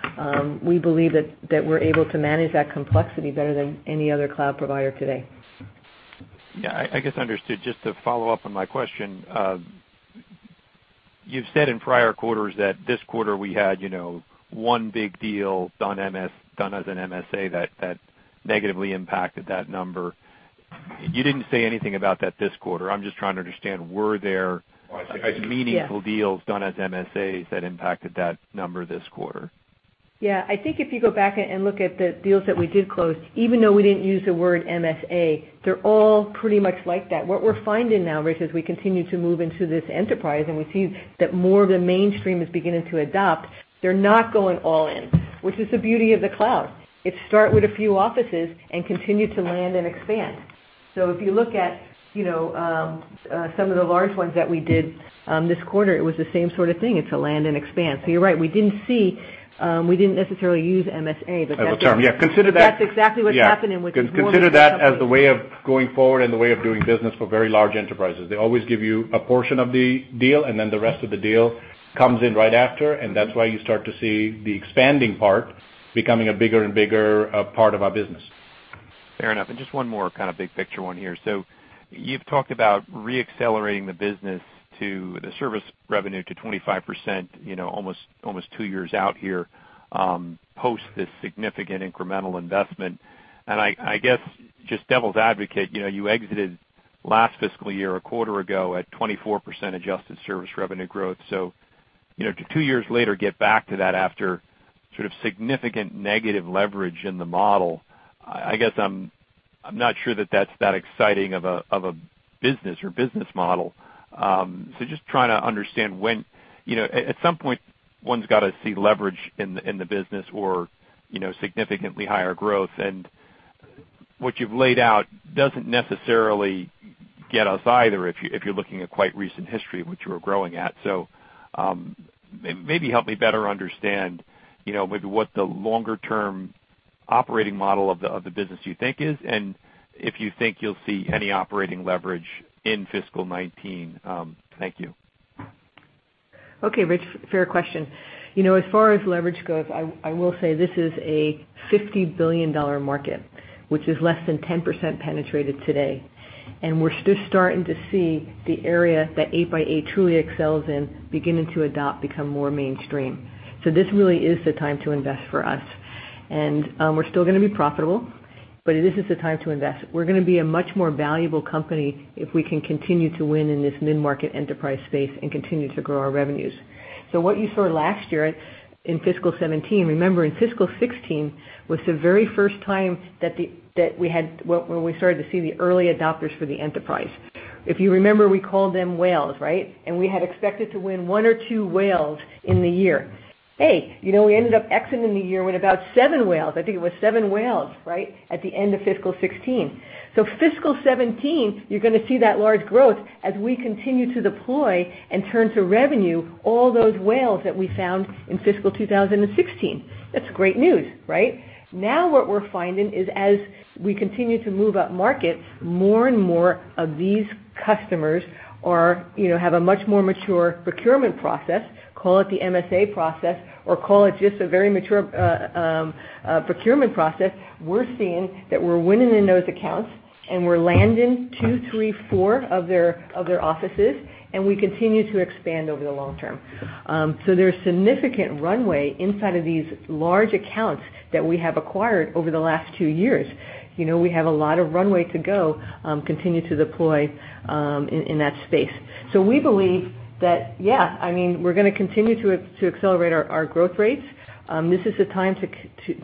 We believe that we're able to manage that complexity better than any other cloud provider today. Yeah. I guess understood. Just to follow up on my question. You've said in prior quarters that this quarter we had one big deal done as an MSA that negatively impacted that number. You didn't say anything about that this quarter. I'm just trying to understand, were there- Yes meaningful deals done as MSAs that impacted that number this quarter? Yeah. I think if you go back and look at the deals that we did close, even though we didn't use the word MSA, they're all pretty much like that. What we're finding now, Rich, as we continue to move into this enterprise and we see that more of the mainstream is beginning to adopt, they're not going all in, which is the beauty of the cloud. It start with a few offices and continue to land and expand. If you look at some of the large ones that we did this quarter, it was the same sort of thing. It's a land and expand. You're right, we didn't necessarily use MSA, but that- As a term. Yeah. Consider that- That's exactly what's happening with more of these companies Consider that as the way of going forward and the way of doing business for very large enterprises. They always give you a portion of the deal, and then the rest of the deal comes in right after, and that's why you start to see the expanding part becoming a bigger and bigger part of our business. Fair enough. Just one more kind of big-picture one here. You've talked about re-accelerating the business to the service revenue to 25%, almost two years out here, post this significant incremental investment. I guess, just devil's advocate, you exited last fiscal year a quarter ago at 24% adjusted service revenue growth. To two years later get back to that after sort of significant negative leverage in the model, I guess I'm not sure that's that exciting of a business or business model. Just trying to understand when at some point, one's got to see leverage in the business or significantly higher growth. What you've laid out doesn't necessarily get us either, if you're looking at quite recent history of what you were growing at. Maybe help me better understand maybe what the longer-term operating model of the business you think is, and if you think you'll see any operating leverage in fiscal 2019. Thank you. Okay, Rich. Fair question. As far as leverage goes, I will say this is a $50 billion market, which is less than 10% penetrated today. We're still starting to see the area that 8x8 truly excels in, beginning to adopt, become more mainstream. This really is the time to invest for us. We're still going to be profitable, but this is the time to invest. We're going to be a much more valuable company if we can continue to win in this mid-market enterprise space and continue to grow our revenues. What you saw last year in fiscal 2017, remember in fiscal 2016 was the very first time where we started to see the early adopters for the enterprise. If you remember, we called them whales, right? We had expected to win one or two whales in the year. Hey, we ended up exiting the year with about seven whales. I think it was seven whales, right, at the end of fiscal 2016. Fiscal 2017, you're going to see that large growth as we continue to deploy and turn to revenue all those whales that we found in fiscal 2016. That's great news, right? What we're finding is as we continue to move up markets, more and more of these customers have a much more mature procurement process, call it the MSA process or call it just a very mature procurement process. We're seeing that we're winning in those accounts, and we're landing two, three, four of their offices, and we continue to expand over the long term. There's significant runway inside of these large accounts that we have acquired over the last two years. We have a lot of runway to go, continue to deploy in that space. We believe that, yeah, we're going to continue to accelerate our growth rates. This is the time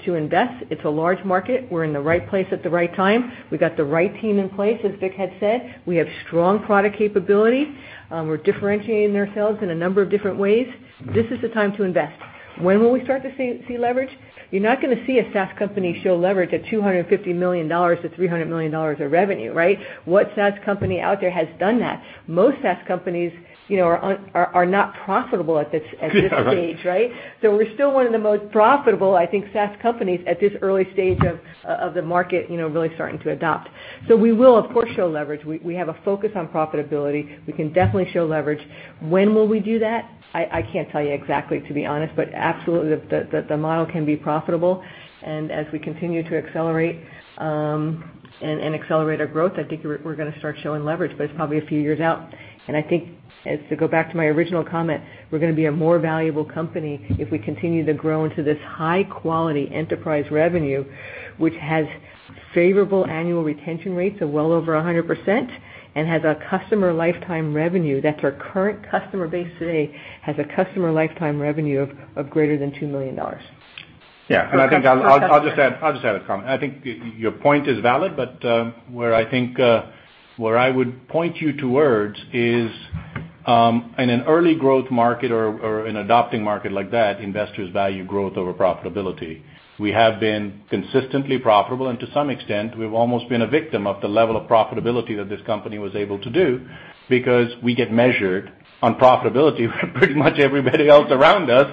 to invest. It's a large market. We're in the right place at the right time. We've got the right team in place, as Vik had said. We have strong product capability. We're differentiating ourselves in a number of different ways. This is the time to invest. When will we start to see leverage? You're not going to see a SaaS company show leverage at $250 million to $300 million of revenue, right? What SaaS company out there has done that? Most SaaS companies are not profitable at this stage, right? Yeah, right. We're still one of the most profitable, I think, SaaS companies at this early stage of the market really starting to adopt. We will, of course, show leverage. We have a focus on profitability. We can definitely show leverage. When will we do that? I can't tell you exactly, to be honest, but absolutely the model can be profitable. As we continue to accelerate our growth, I think we're going to start showing leverage, but it's probably a few years out. I think, as to go back to my original comment, we're going to be a more valuable company if we continue to grow into this high-quality enterprise revenue, which has favorable annual retention rates of well over 100%, and has a customer lifetime revenue, that's our current customer base today, has a customer lifetime revenue of greater than $2 million. I think I'll just add a comment. I think your point is valid, where I would point you towards is, in an early growth market or an adopting market like that, investors value growth over profitability. We have been consistently profitable, and to some extent, we've almost been a victim of the level of profitability that this company was able to do because we get measured on profitability pretty much everybody else around us.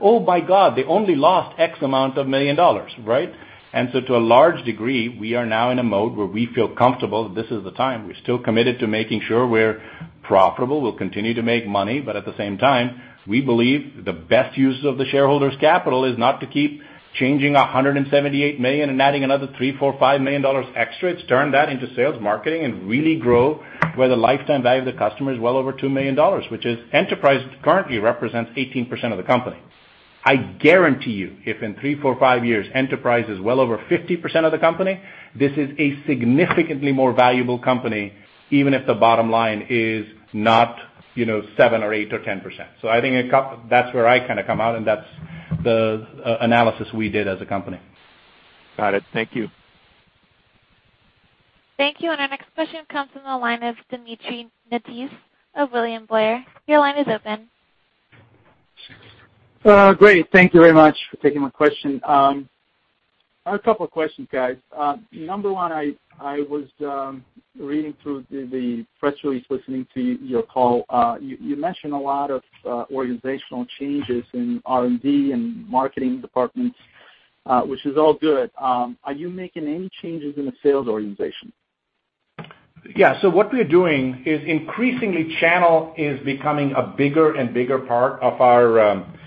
"Oh, my God, they only lost X amount of million dollars," right? To a large degree, we are now in a mode where we feel comfortable that this is the time. We're still committed to making sure we're profitable. We'll continue to make money, at the same time, we believe the best use of the shareholders' capital is not to keep changing $178 million and adding another $3 million, $4 million, $5 million extra. It's turned that into sales marketing and really grow where the lifetime value of the customer is well over $2 million, which is Enterprise currently represents 18% of the company. I guarantee you, if in three, four, five years, Enterprise is well over 50% of the company, this is a significantly more valuable company, even if the bottom line is not 7% or 8% or 10%. I think that's where I come out, and that's the analysis we did as a company. Got it. Thank you. Thank you. Our next question comes from the line of Dmitry Netis of William Blair. Your line is open. Great. Thank you very much for taking my question. I have a couple questions, guys. Number one, I was reading through the press release, listening to your call. You mentioned a lot of organizational changes in R&D and marketing departments, which is all good. Are you making any changes in the sales organization? Yeah. What we're doing is increasingly, channel is becoming a bigger and bigger part of our business.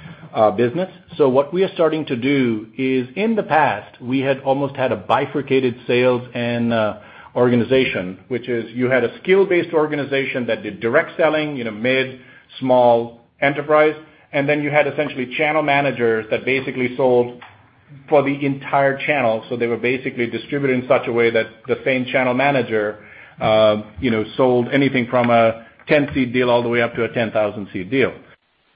What we are starting to do is, in the past, we had almost had a bifurcated sales and organization, which is you had a skill-based organization that did direct selling, mid, small enterprise, and then you had essentially channel managers that basically sold for the entire channel. They were basically distributed in such a way that the same channel manager sold anything from a 10-seat deal all the way up to a 10,000-seat deal.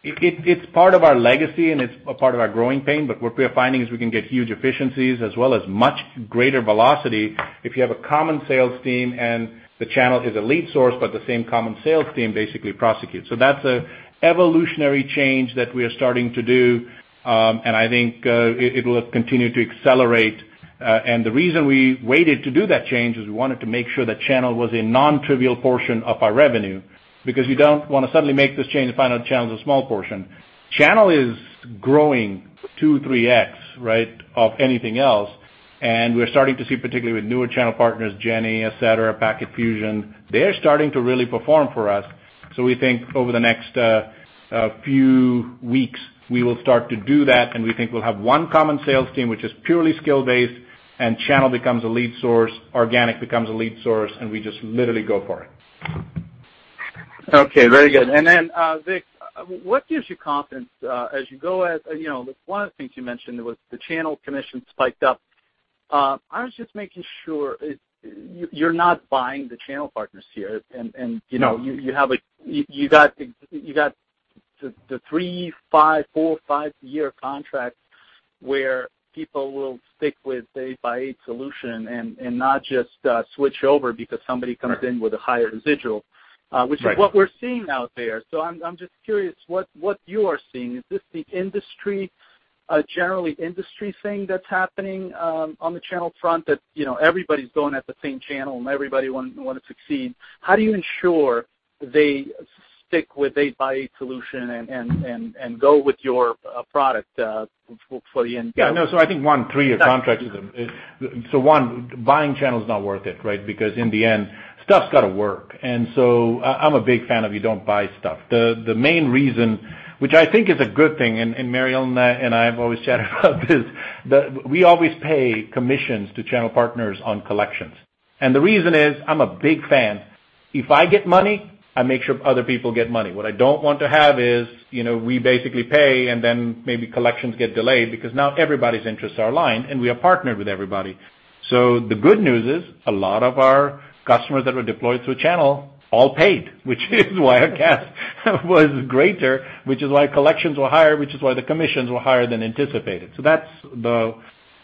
It's part of our legacy and it's a part of our growing pain, what we're finding is we can get huge efficiencies as well as much greater velocity if you have a common sales team and the channel is a lead source, but the same common sales team basically prosecutes. That's an evolutionary change that we are starting to do, and I think it will continue to accelerate. The reason we waited to do that change is we wanted to make sure that channel was a non-trivial portion of our revenue, because you don't want to suddenly make this change and find out channel's a small portion. Channel is growing two, three X of anything else, and we're starting to see, particularly with newer channel partners, Jenne, et cetera, Packet Fusion, they're starting to really perform for us. We think over the next few weeks, we will start to do that, and we think we'll have one common sales team, which is purely skill-based, and channel becomes a lead source, organic becomes a lead source, and we just literally go for it. Okay, very good. Vik, what gives you confidence as you go? One of the things you mentioned was the channel commission spiked up. I was just making sure you're not buying the channel partners here. No. You got the three, four, five-year contracts where people will stick with 8x8 solution and not just switch over because somebody comes in with a higher residual- Right which is what we're seeing out there. I'm just curious what you are seeing. Is this the industry, generally industry thing that's happening on the channel front, that everybody's going at the same channel and everybody want to succeed? How do you ensure they stick with 8x8 solution and go with your product for the end? Yeah. No, I think, one, three-year contracts. One, buying channel is not worth it. Because in the end, stuff's got to work. I'm a big fan of you don't buy stuff. The main reason, which I think is a good thing, Mary Ellen and I have always chatted about this, that we always pay commissions to channel partners on collections. The reason is, I'm a big fan. If I get money, I make sure other people get money. What I don't want to have is, we basically pay and then maybe collections get delayed because now everybody's interests are aligned, and we are partnered with everybody. The good news is, a lot of our customers that were deployed through channel all paid, which is why our cash was greater, which is why collections were higher, which is why the commissions were higher than anticipated. That's the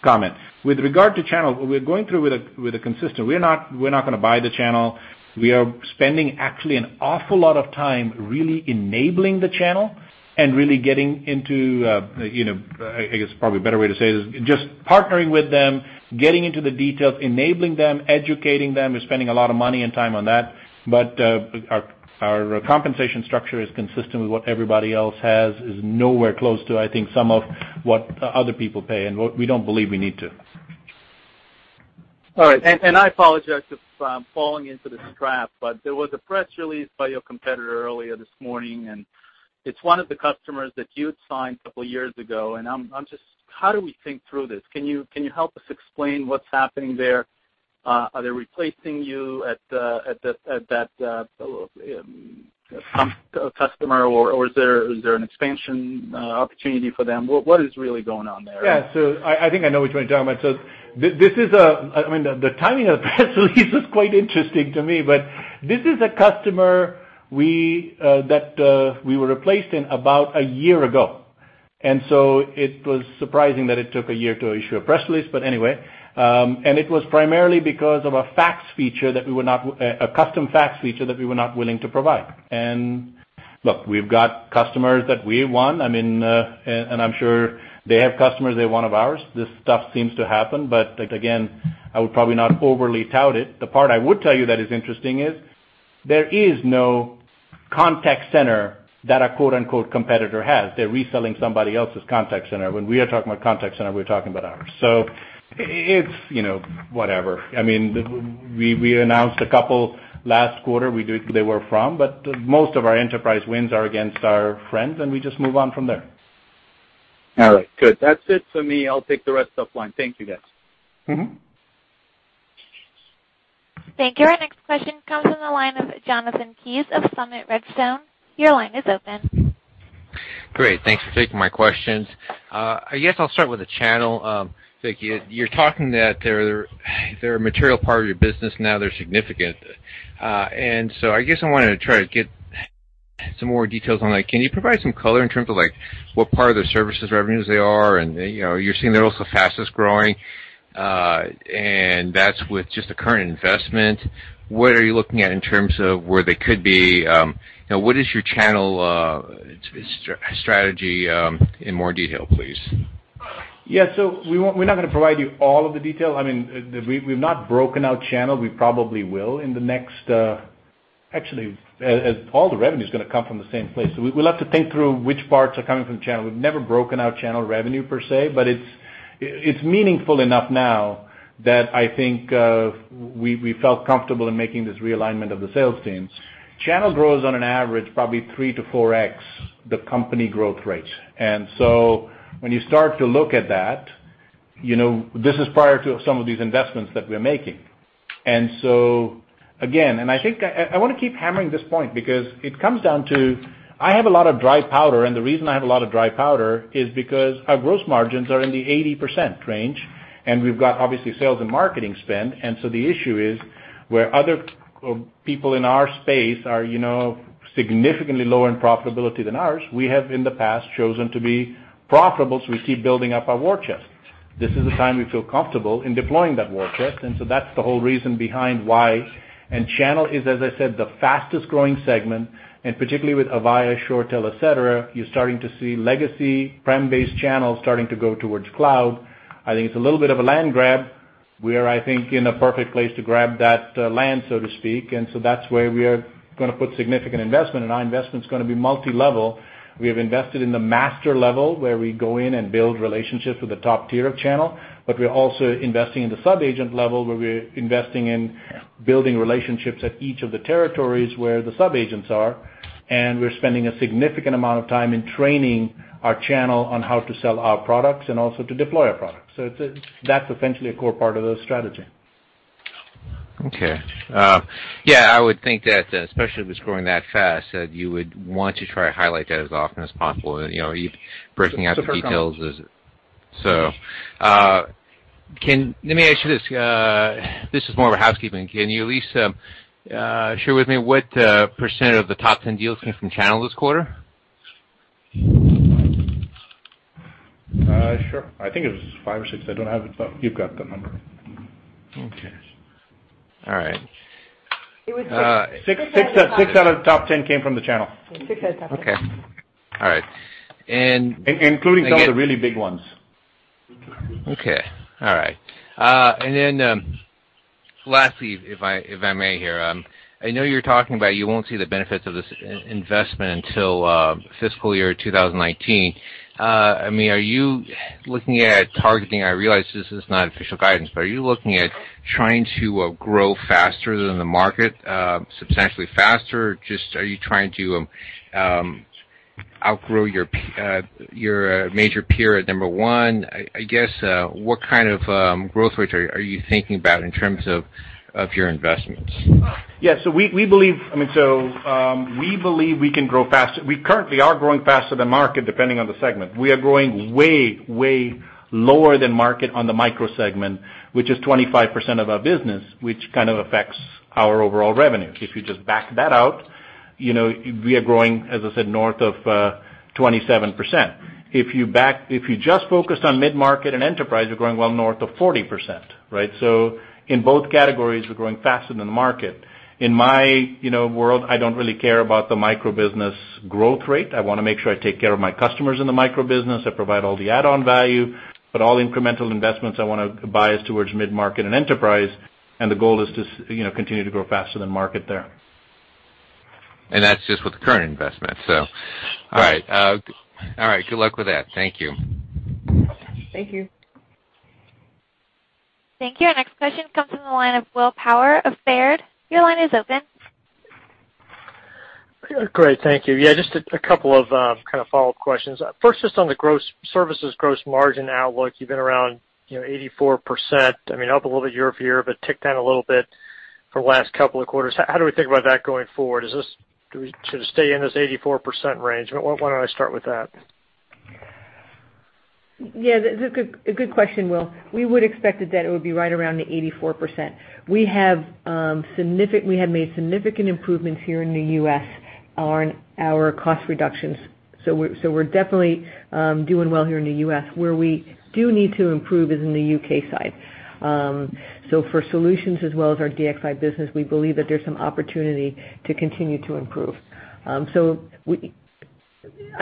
comment. With regard to channel, we're going through with a consistent. We're not going to buy the channel. We are spending actually an awful lot of time really enabling the channel and really getting into, I guess, probably a better way to say this, just partnering with them, getting into the details, enabling them, educating them. We're spending a lot of money and time on that. Our compensation structure is consistent with what everybody else has, is nowhere close to, I think, some of what other people pay, and we don't believe we need to. All right. I apologize if I'm falling into this trap, there was a press release by your competitor earlier this morning, it's one of the customers that you'd signed a couple years ago, how do we think through this? Can you help us explain what's happening there? Are they replacing you at that customer, or is there an expansion opportunity for them? What is really going on there? Yeah. I think I know which one you're talking about. The timing of the press release is quite interesting to me, this is a customer that we were replaced in about a year ago. It was surprising that it took a year to issue a press release. Anyway. It was primarily because of a custom fax feature that we were not willing to provide. Look, we've got customers that we won, I'm sure they have customers they won of ours. This stuff seems to happen, again, I would probably not overly tout it. The part I would tell you that is interesting is there is no Contact Center that a quote, unquote, "competitor" has. They're reselling somebody else's Contact Center. When we are talking about Contact Center, we're talking about ours. It's whatever. We announced a couple last quarter, [we don't disclose where] they were from, most of our enterprise wins are against our friends, we just move on from there. All right, good. That's it for me. I'll take the rest offline. Thank you, guys. Thank you. Our next question comes from the line of Jonathan Kees of Summit Redstone. Your line is open. Great. Thanks for taking my questions. I guess I'll start with the channel. Vik, you're talking that they're a material part of your business now, they're significant. I guess I wanted to try to get some more details on, like, can you provide some color in terms of what part of the services revenues they are and you're seeing they're also fastest-growing, and that's with just the current investment. What are you looking at in terms of where they could be? What is your channel strategy, in more detail, please? Yeah. We're not going to provide you all of the detail. We've not broken out channel. We probably will in the next-- actually, all the revenue's going to come from the same place. We'll have to think through which parts are coming from channel. We've never broken out channel revenue per se, but it's meaningful enough now that I think we felt comfortable in making this realignment of the sales teams. Channel grows on an average probably three to four x the company growth rate. When you start to look at that, this is prior to some of these investments that we're making. Again, I think I want to keep hammering this point because it comes down to, I have a lot of dry powder, and the reason I have a lot of dry powder is because our gross margins are in the 80% range, and we've got obviously sales and marketing spend. The issue is where other people in our space are significantly lower in profitability than ours. We have in the past chosen to be profitable, so we keep building up our war chest. This is the time we feel comfortable in deploying that war chest, and so that's the whole reason behind why. Channel is, as I said, the fastest-growing segment, and particularly with Avaya, ShoreTel, et cetera, you're starting to see legacy, prem-based channels starting to go towards cloud. I think it's a little bit of a land grab. We are, I think, in a perfect place to grab that land, so to speak. That's where we are going to put significant investment, and our investment's going to be multilevel. We have invested in the master level, where we go in and build relationships with the top tier of channel, but we're also investing in the sub-agent level, where we're investing in building relationships at each of the territories where the sub-agents are. We're spending a significant amount of time in training our channel on how to sell our products and also to deploy our products. That's essentially a core part of the strategy. Okay. Yeah, I would think that, especially if it's growing that fast, that you would want to try to highlight that as often as possible, you're bursting out the details. For sure. Let me ask you this. This is more of a housekeeping. Can you at least share with me what % of the top 10 deals came from channel this quarter? Sure. I think it was five or six. I don't have it, but you've got the number. Okay. All right. It was six. Six out of the top 10 came from the channel. Yeah, six out of the top 10. Okay. All right. Including some of the really big ones. Lastly, if I may here. I know you're talking about you won't see the benefits of this investment until fiscal year 2019. Are you looking at targeting, I realize this is not official guidance, but are you looking at trying to grow faster than the market, substantially faster? Or just are you trying to outgrow your major peer at number 1? I guess, what kind of growth rates are you thinking about in terms of your investments? Yeah. We believe we can grow faster. We currently are growing faster than market, depending on the segment. We are growing way lower than market on the micro segment, which is 25% of our business, which kind of affects our overall revenue. If you just back that out, we are growing, as I said, north of 27%. If you just focus on mid-market and enterprise, we're growing well north of 40%, right? In both categories, we're growing faster than the market. In my world, I don't really care about the micro business growth rate. I want to make sure I take care of my customers in the micro business. I provide all the add-on value, but all incremental investments I want to bias towards mid-market and enterprise, and the goal is to continue to grow faster than market there. That's just with the current investment. All right. Good luck with that. Thank you. Thank you. Thank you. Our next question comes from the line of Will Power of Baird. Your line is open. Great. Thank you. Yeah, just a couple of follow-up questions. First, just on the services gross margin outlook. You've been around 84%, up a little bit year-over-year, but ticked down a little bit for the last couple of quarters. How do we think about that going forward? Should it stay in this 84% range? Why don't I start with that? Yeah, it's a good question, Will. We would expected that it would be right around the 84%. We have made significant improvements here in the U.S. on our cost reductions. We're definitely doing well here in the U.S. Where we do need to improve is in the U.K. side. For solutions as well as our DXI business, we believe that there's some opportunity to continue to improve. I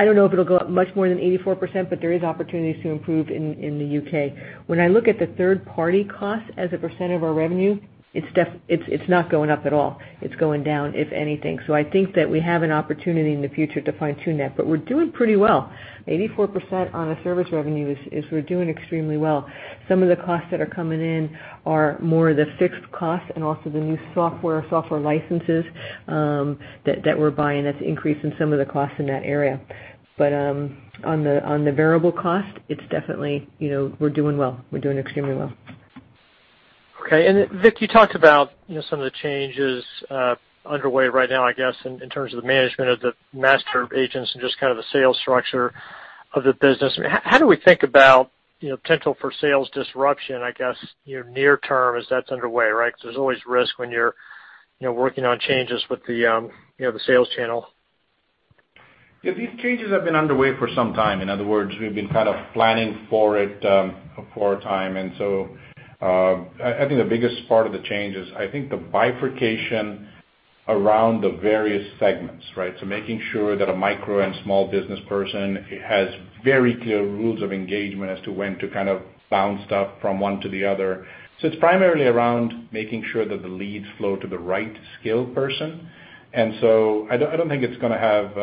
don't know if it'll go up much more than 84%, but there is opportunities to improve in the U.K. When I look at the third-party cost as a % of our revenue, it's not going up at all. It's going down, if anything. I think that we have an opportunity in the future to fine-tune that, but we're doing pretty well. 84% on a service revenue is we're doing extremely well. Some of the costs that are coming in are more the fixed costs and also the new software licenses that we're buying that's increasing some of the costs in that area. On the variable cost, it's definitely, we're doing well. We're doing extremely well. Okay. Vik, you talked about some of the changes underway right now, I guess, in terms of the management of the master agents and just kind of the sales structure of the business. How do we think about potential for sales disruption, I guess, near term as that's underway, right? Because there's always risk when you're working on changes with the sales channel. Yeah, these changes have been underway for some time. In other words, we've been kind of planning for it for a time. I think the biggest part of the change is, I think the bifurcation around the various segments, right? Making sure that a micro and small business person has very clear rules of engagement as to when to kind of bounce stuff from one to the other. It's primarily around making sure that the leads flow to the right skilled person. I don't think it's gonna have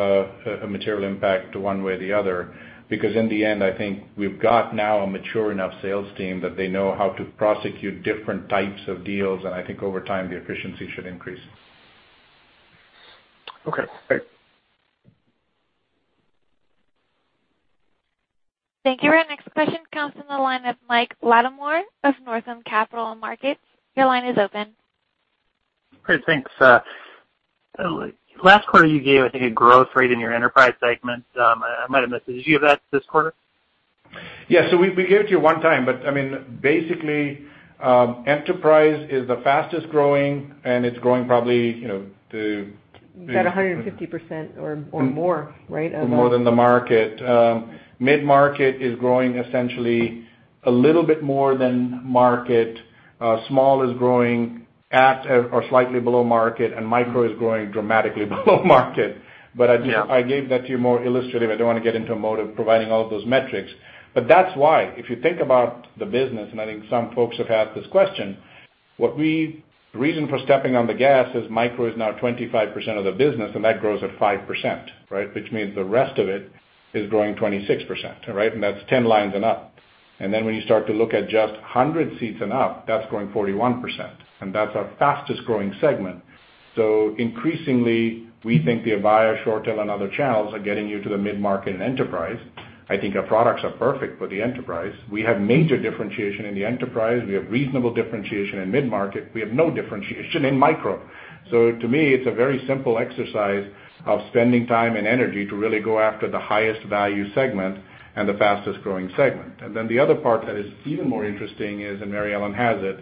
a material impact to one way or the other because in the end, I think we've got now a mature enough sales team that they know how to prosecute different types of deals, and I think over time, the efficiency should increase. Okay, great. Thank you. Our next question comes from the line of Mike Latimore of Northland Capital Markets. Your line is open. Great. Thanks. Last quarter, you gave, I think, a growth rate in your enterprise segment. I might have missed. Did you give that this quarter? Yeah. We gave it to you one time, but basically, enterprise is the fastest-growing, and it's growing probably. About 150% or more, right? More than the market. Mid-market is growing essentially a little bit more than market. Small is growing at or slightly below market, and micro is growing dramatically below market. Yeah. I gave that to you more illustratively. I don't want to get into a mode of providing all of those metrics. That's why, if you think about the business, and I think some folks have asked this question, the reason for stepping on the gas is micro is now 25% of the business, and that grows at 5%, right? Which means the rest of it is growing 26%, right? That's 10 lines and up. When you start to look at just 100 seats and up, that's growing 41%, and that's our fastest-growing segment. Increasingly, we think the Avaya, ShoreTel, and other channels are getting you to the mid-market and enterprise. I think our products are perfect for the enterprise. We have major differentiation in the enterprise. We have reasonable differentiation in mid-market. We have no differentiation in micro. To me, it's a very simple exercise of spending time and energy to really go after the highest value segment and the fastest-growing segment. The other part that is even more interesting is, and Mary Ellen has it,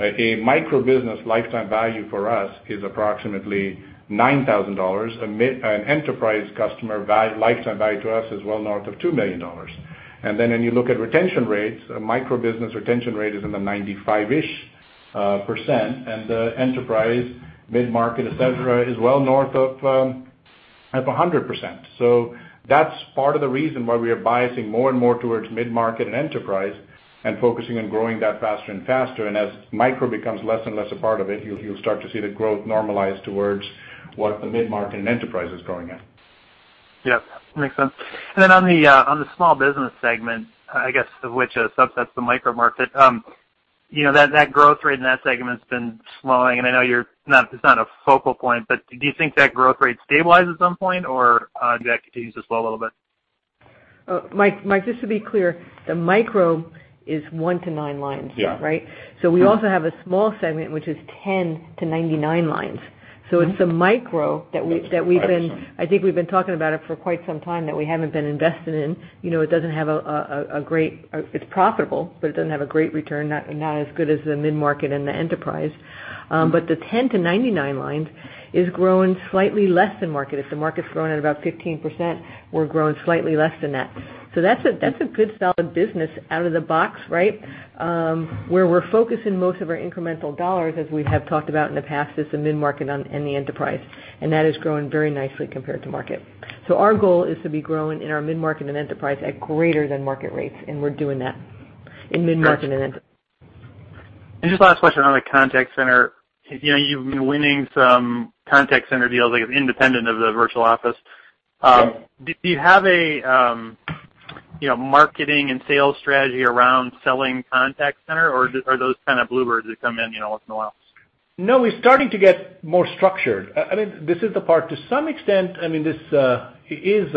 a micro business lifetime value for us is approximately $9,000. An enterprise customer lifetime value to us is well north of $2 million. When you look at retention rates, a micro business retention rate is in the 95%-ish, and the enterprise mid-market, et cetera, is well north of 100%. That's part of the reason why we are biasing more and more towards mid-market and enterprise and focusing on growing that faster and faster. As micro becomes less and less a part of it, you'll start to see the growth normalize towards what the mid-market and enterprise is growing at. Yep. Makes sense. On the small business segment, I guess, which subsets the micro market, that growth rate in that segment's been slowing, and I know it's not a focal point, do you think that growth rate stabilizes at some point, or do you think that continues to slow a little bit? Mike, just to be clear, the micro is one to nine lines, right? Yeah. We also have a small segment which is 10 to 99 lines. It's the micro. That's right. I think we've been talking about it for quite some time, that we haven't been invested in. It's profitable, but it doesn't have a great return, not as good as the mid-market and the enterprise. The 10 to 99 lines is growing slightly less than market. If the market's growing at about 15%, we're growing slightly less than that. That's a good solid business out of the box, right? Where we're focusing most of our incremental dollars, as we have talked about in the past, is the mid-market and the enterprise, and that is growing very nicely compared to market. Our goal is to be growing in our mid-market and enterprise at greater than market rates, and we're doing that in mid-market and enterprise. Just last question on the contact center. You've been winning some contact center deals, I guess, independent of the Virtual Office. Yes. Do you have a marketing and sales strategy around selling Contact Center, or are those kind of bluebirds that come in once in a while? No, it's starting to get more structured. This is the part, to some extent, this is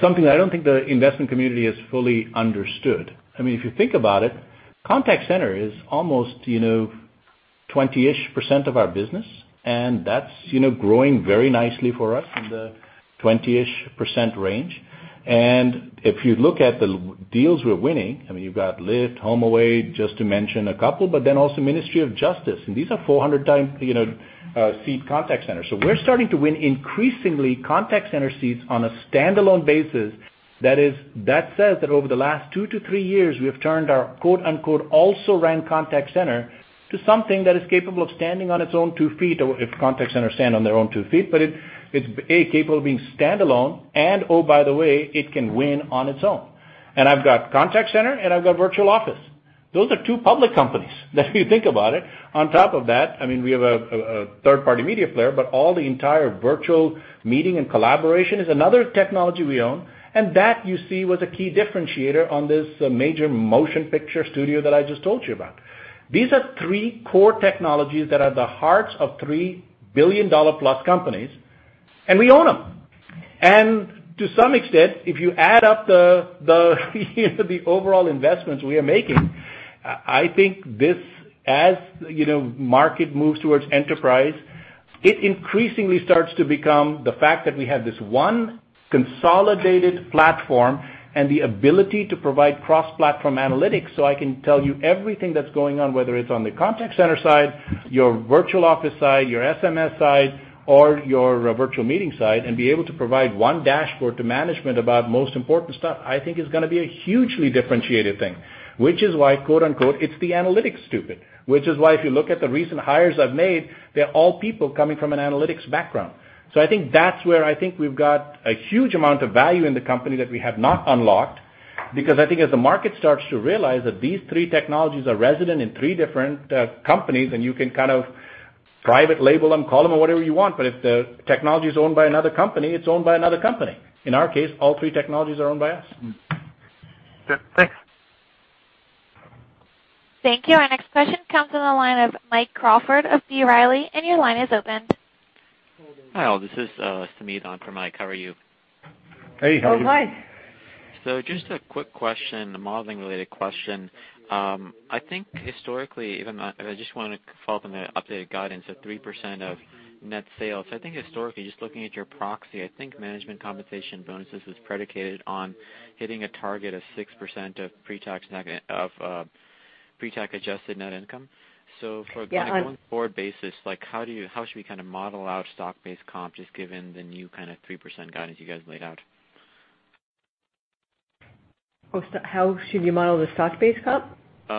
something I don't think the investment community has fully understood. If you think about it, Contact Center is almost 20-ish percent of our business, and that's growing very nicely for us in the 20-ish percent range. If you look at the deals we're winning, you've got Lyft, HomeAway, just to mention a couple, but then also Ministry of Justice, and these are 400-seat Contact Centers. We're starting to win increasingly Contact Center seats on a standalone basis. That says that over the last two to three years, we have turned our quote-unquote also ran Contact Center to something that is capable of standing on its own two feet, or if Contact Centers stand on their own two feet. It's, A, capable of being standalone, oh, by the way, it can win on its own. I've got Contact Center, I've got Virtual Office. Those are two public companies if you think about it. On top of that, we have a third-party media player, all the entire Virtual Meeting and collaboration is another technology we own, that, you see, was a key differentiator on this major motion picture studio that I just told you about. These are three core technologies that are the hearts of three billion-dollar-plus companies, and we own them. To some extent, if you add up the overall investments we are making, I think as market moves towards enterprise, it increasingly starts to become the fact that we have this one consolidated platform and the ability to provide cross-platform analytics so I can tell you everything that's going on, whether it's on the Contact Center side, your Virtual Office side, your SMS side, or your Virtual Meeting side, be able to provide one dashboard to management about most important stuff, I think is going to be a hugely differentiated thing. Which is why, quote-unquote, "It's the analytics, stupid." Which is why if you look at the recent hires I've made, they're all people coming from an analytics background. That's where I think we've got a huge amount of value in the company that we have not unlocked, because I think as the market starts to realize that these three technologies are resident in three different companies, and you can private label them, call them whatever you want, but if the technology is owned by another company, it's owned by another company. In our case, all three technologies are owned by us. Okay, thanks. Thank you. Our next question comes on the line of Mike Crawford of B. Riley, and your line is open. Hi, this is Sameet on for Mike. How are you? Hey. How are you? Hello, Mike. Just a quick question, a modeling-related question. I just want to follow up on the updated guidance of 3% of net sales. I think historically, just looking at your proxy, I think management compensation bonuses was predicated on hitting a target of 6% of pre-tax adjusted net income. Yeah. a going-forward basis, how should we model out stock-based comp, just given the new kind of 3% guidance you guys laid out? How should we model the stock-based comp?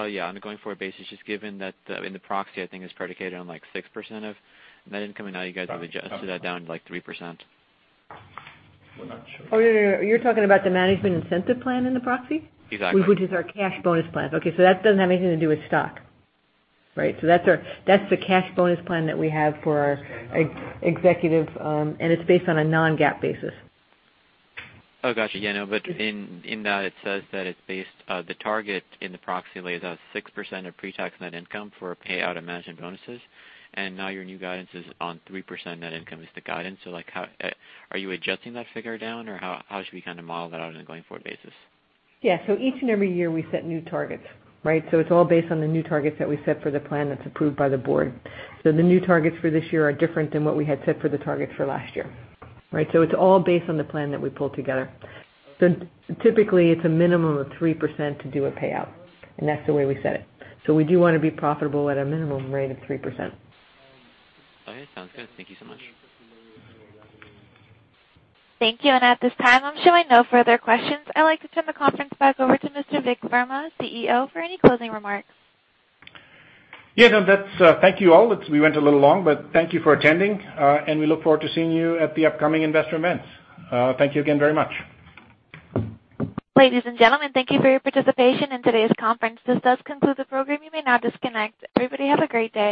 Yeah, on a going-forward basis, just given that in the proxy, I think it's predicated on like 6% of net income, and now you guys have adjusted that down to like 3%. We're not sure. Oh, you're talking about the management incentive plan in the proxy? Exactly. Which is our cash bonus plan. That doesn't have anything to do with stock. That's the cash bonus plan that we have for our executive, and it's based on a non-GAAP basis. Got you. Yeah, no, in that it says that the target in the proxy lays out 6% of pre-tax net income for a payout of management bonuses, and now your new guidance is on 3% net income is the guidance. Are you adjusting that figure down or how should we model that out on a going-forward basis? Each and every year we set new targets, right? It's all based on the new targets that we set for the plan that's approved by the board. The new targets for this year are different than what we had set for the target for last year. Right? It's all based on the plan that we pull together. Typically, it's a minimum of 3% to do a payout, and that's the way we set it. We do want to be profitable at a minimum rate of 3%. Okay. Sounds good. Thank you so much. Thank you. At this time, I'm showing no further questions. I'd like to turn the conference back over to Mr. Vikram Verma, CEO, for any closing remarks. Yeah. No, thank you all. We went a little long, but thank you for attending, and we look forward to seeing you at the upcoming investor events. Thank you again very much. Ladies and gentlemen, thank you for your participation in today's conference. This does conclude the program. You may now disconnect. Everybody have a great day.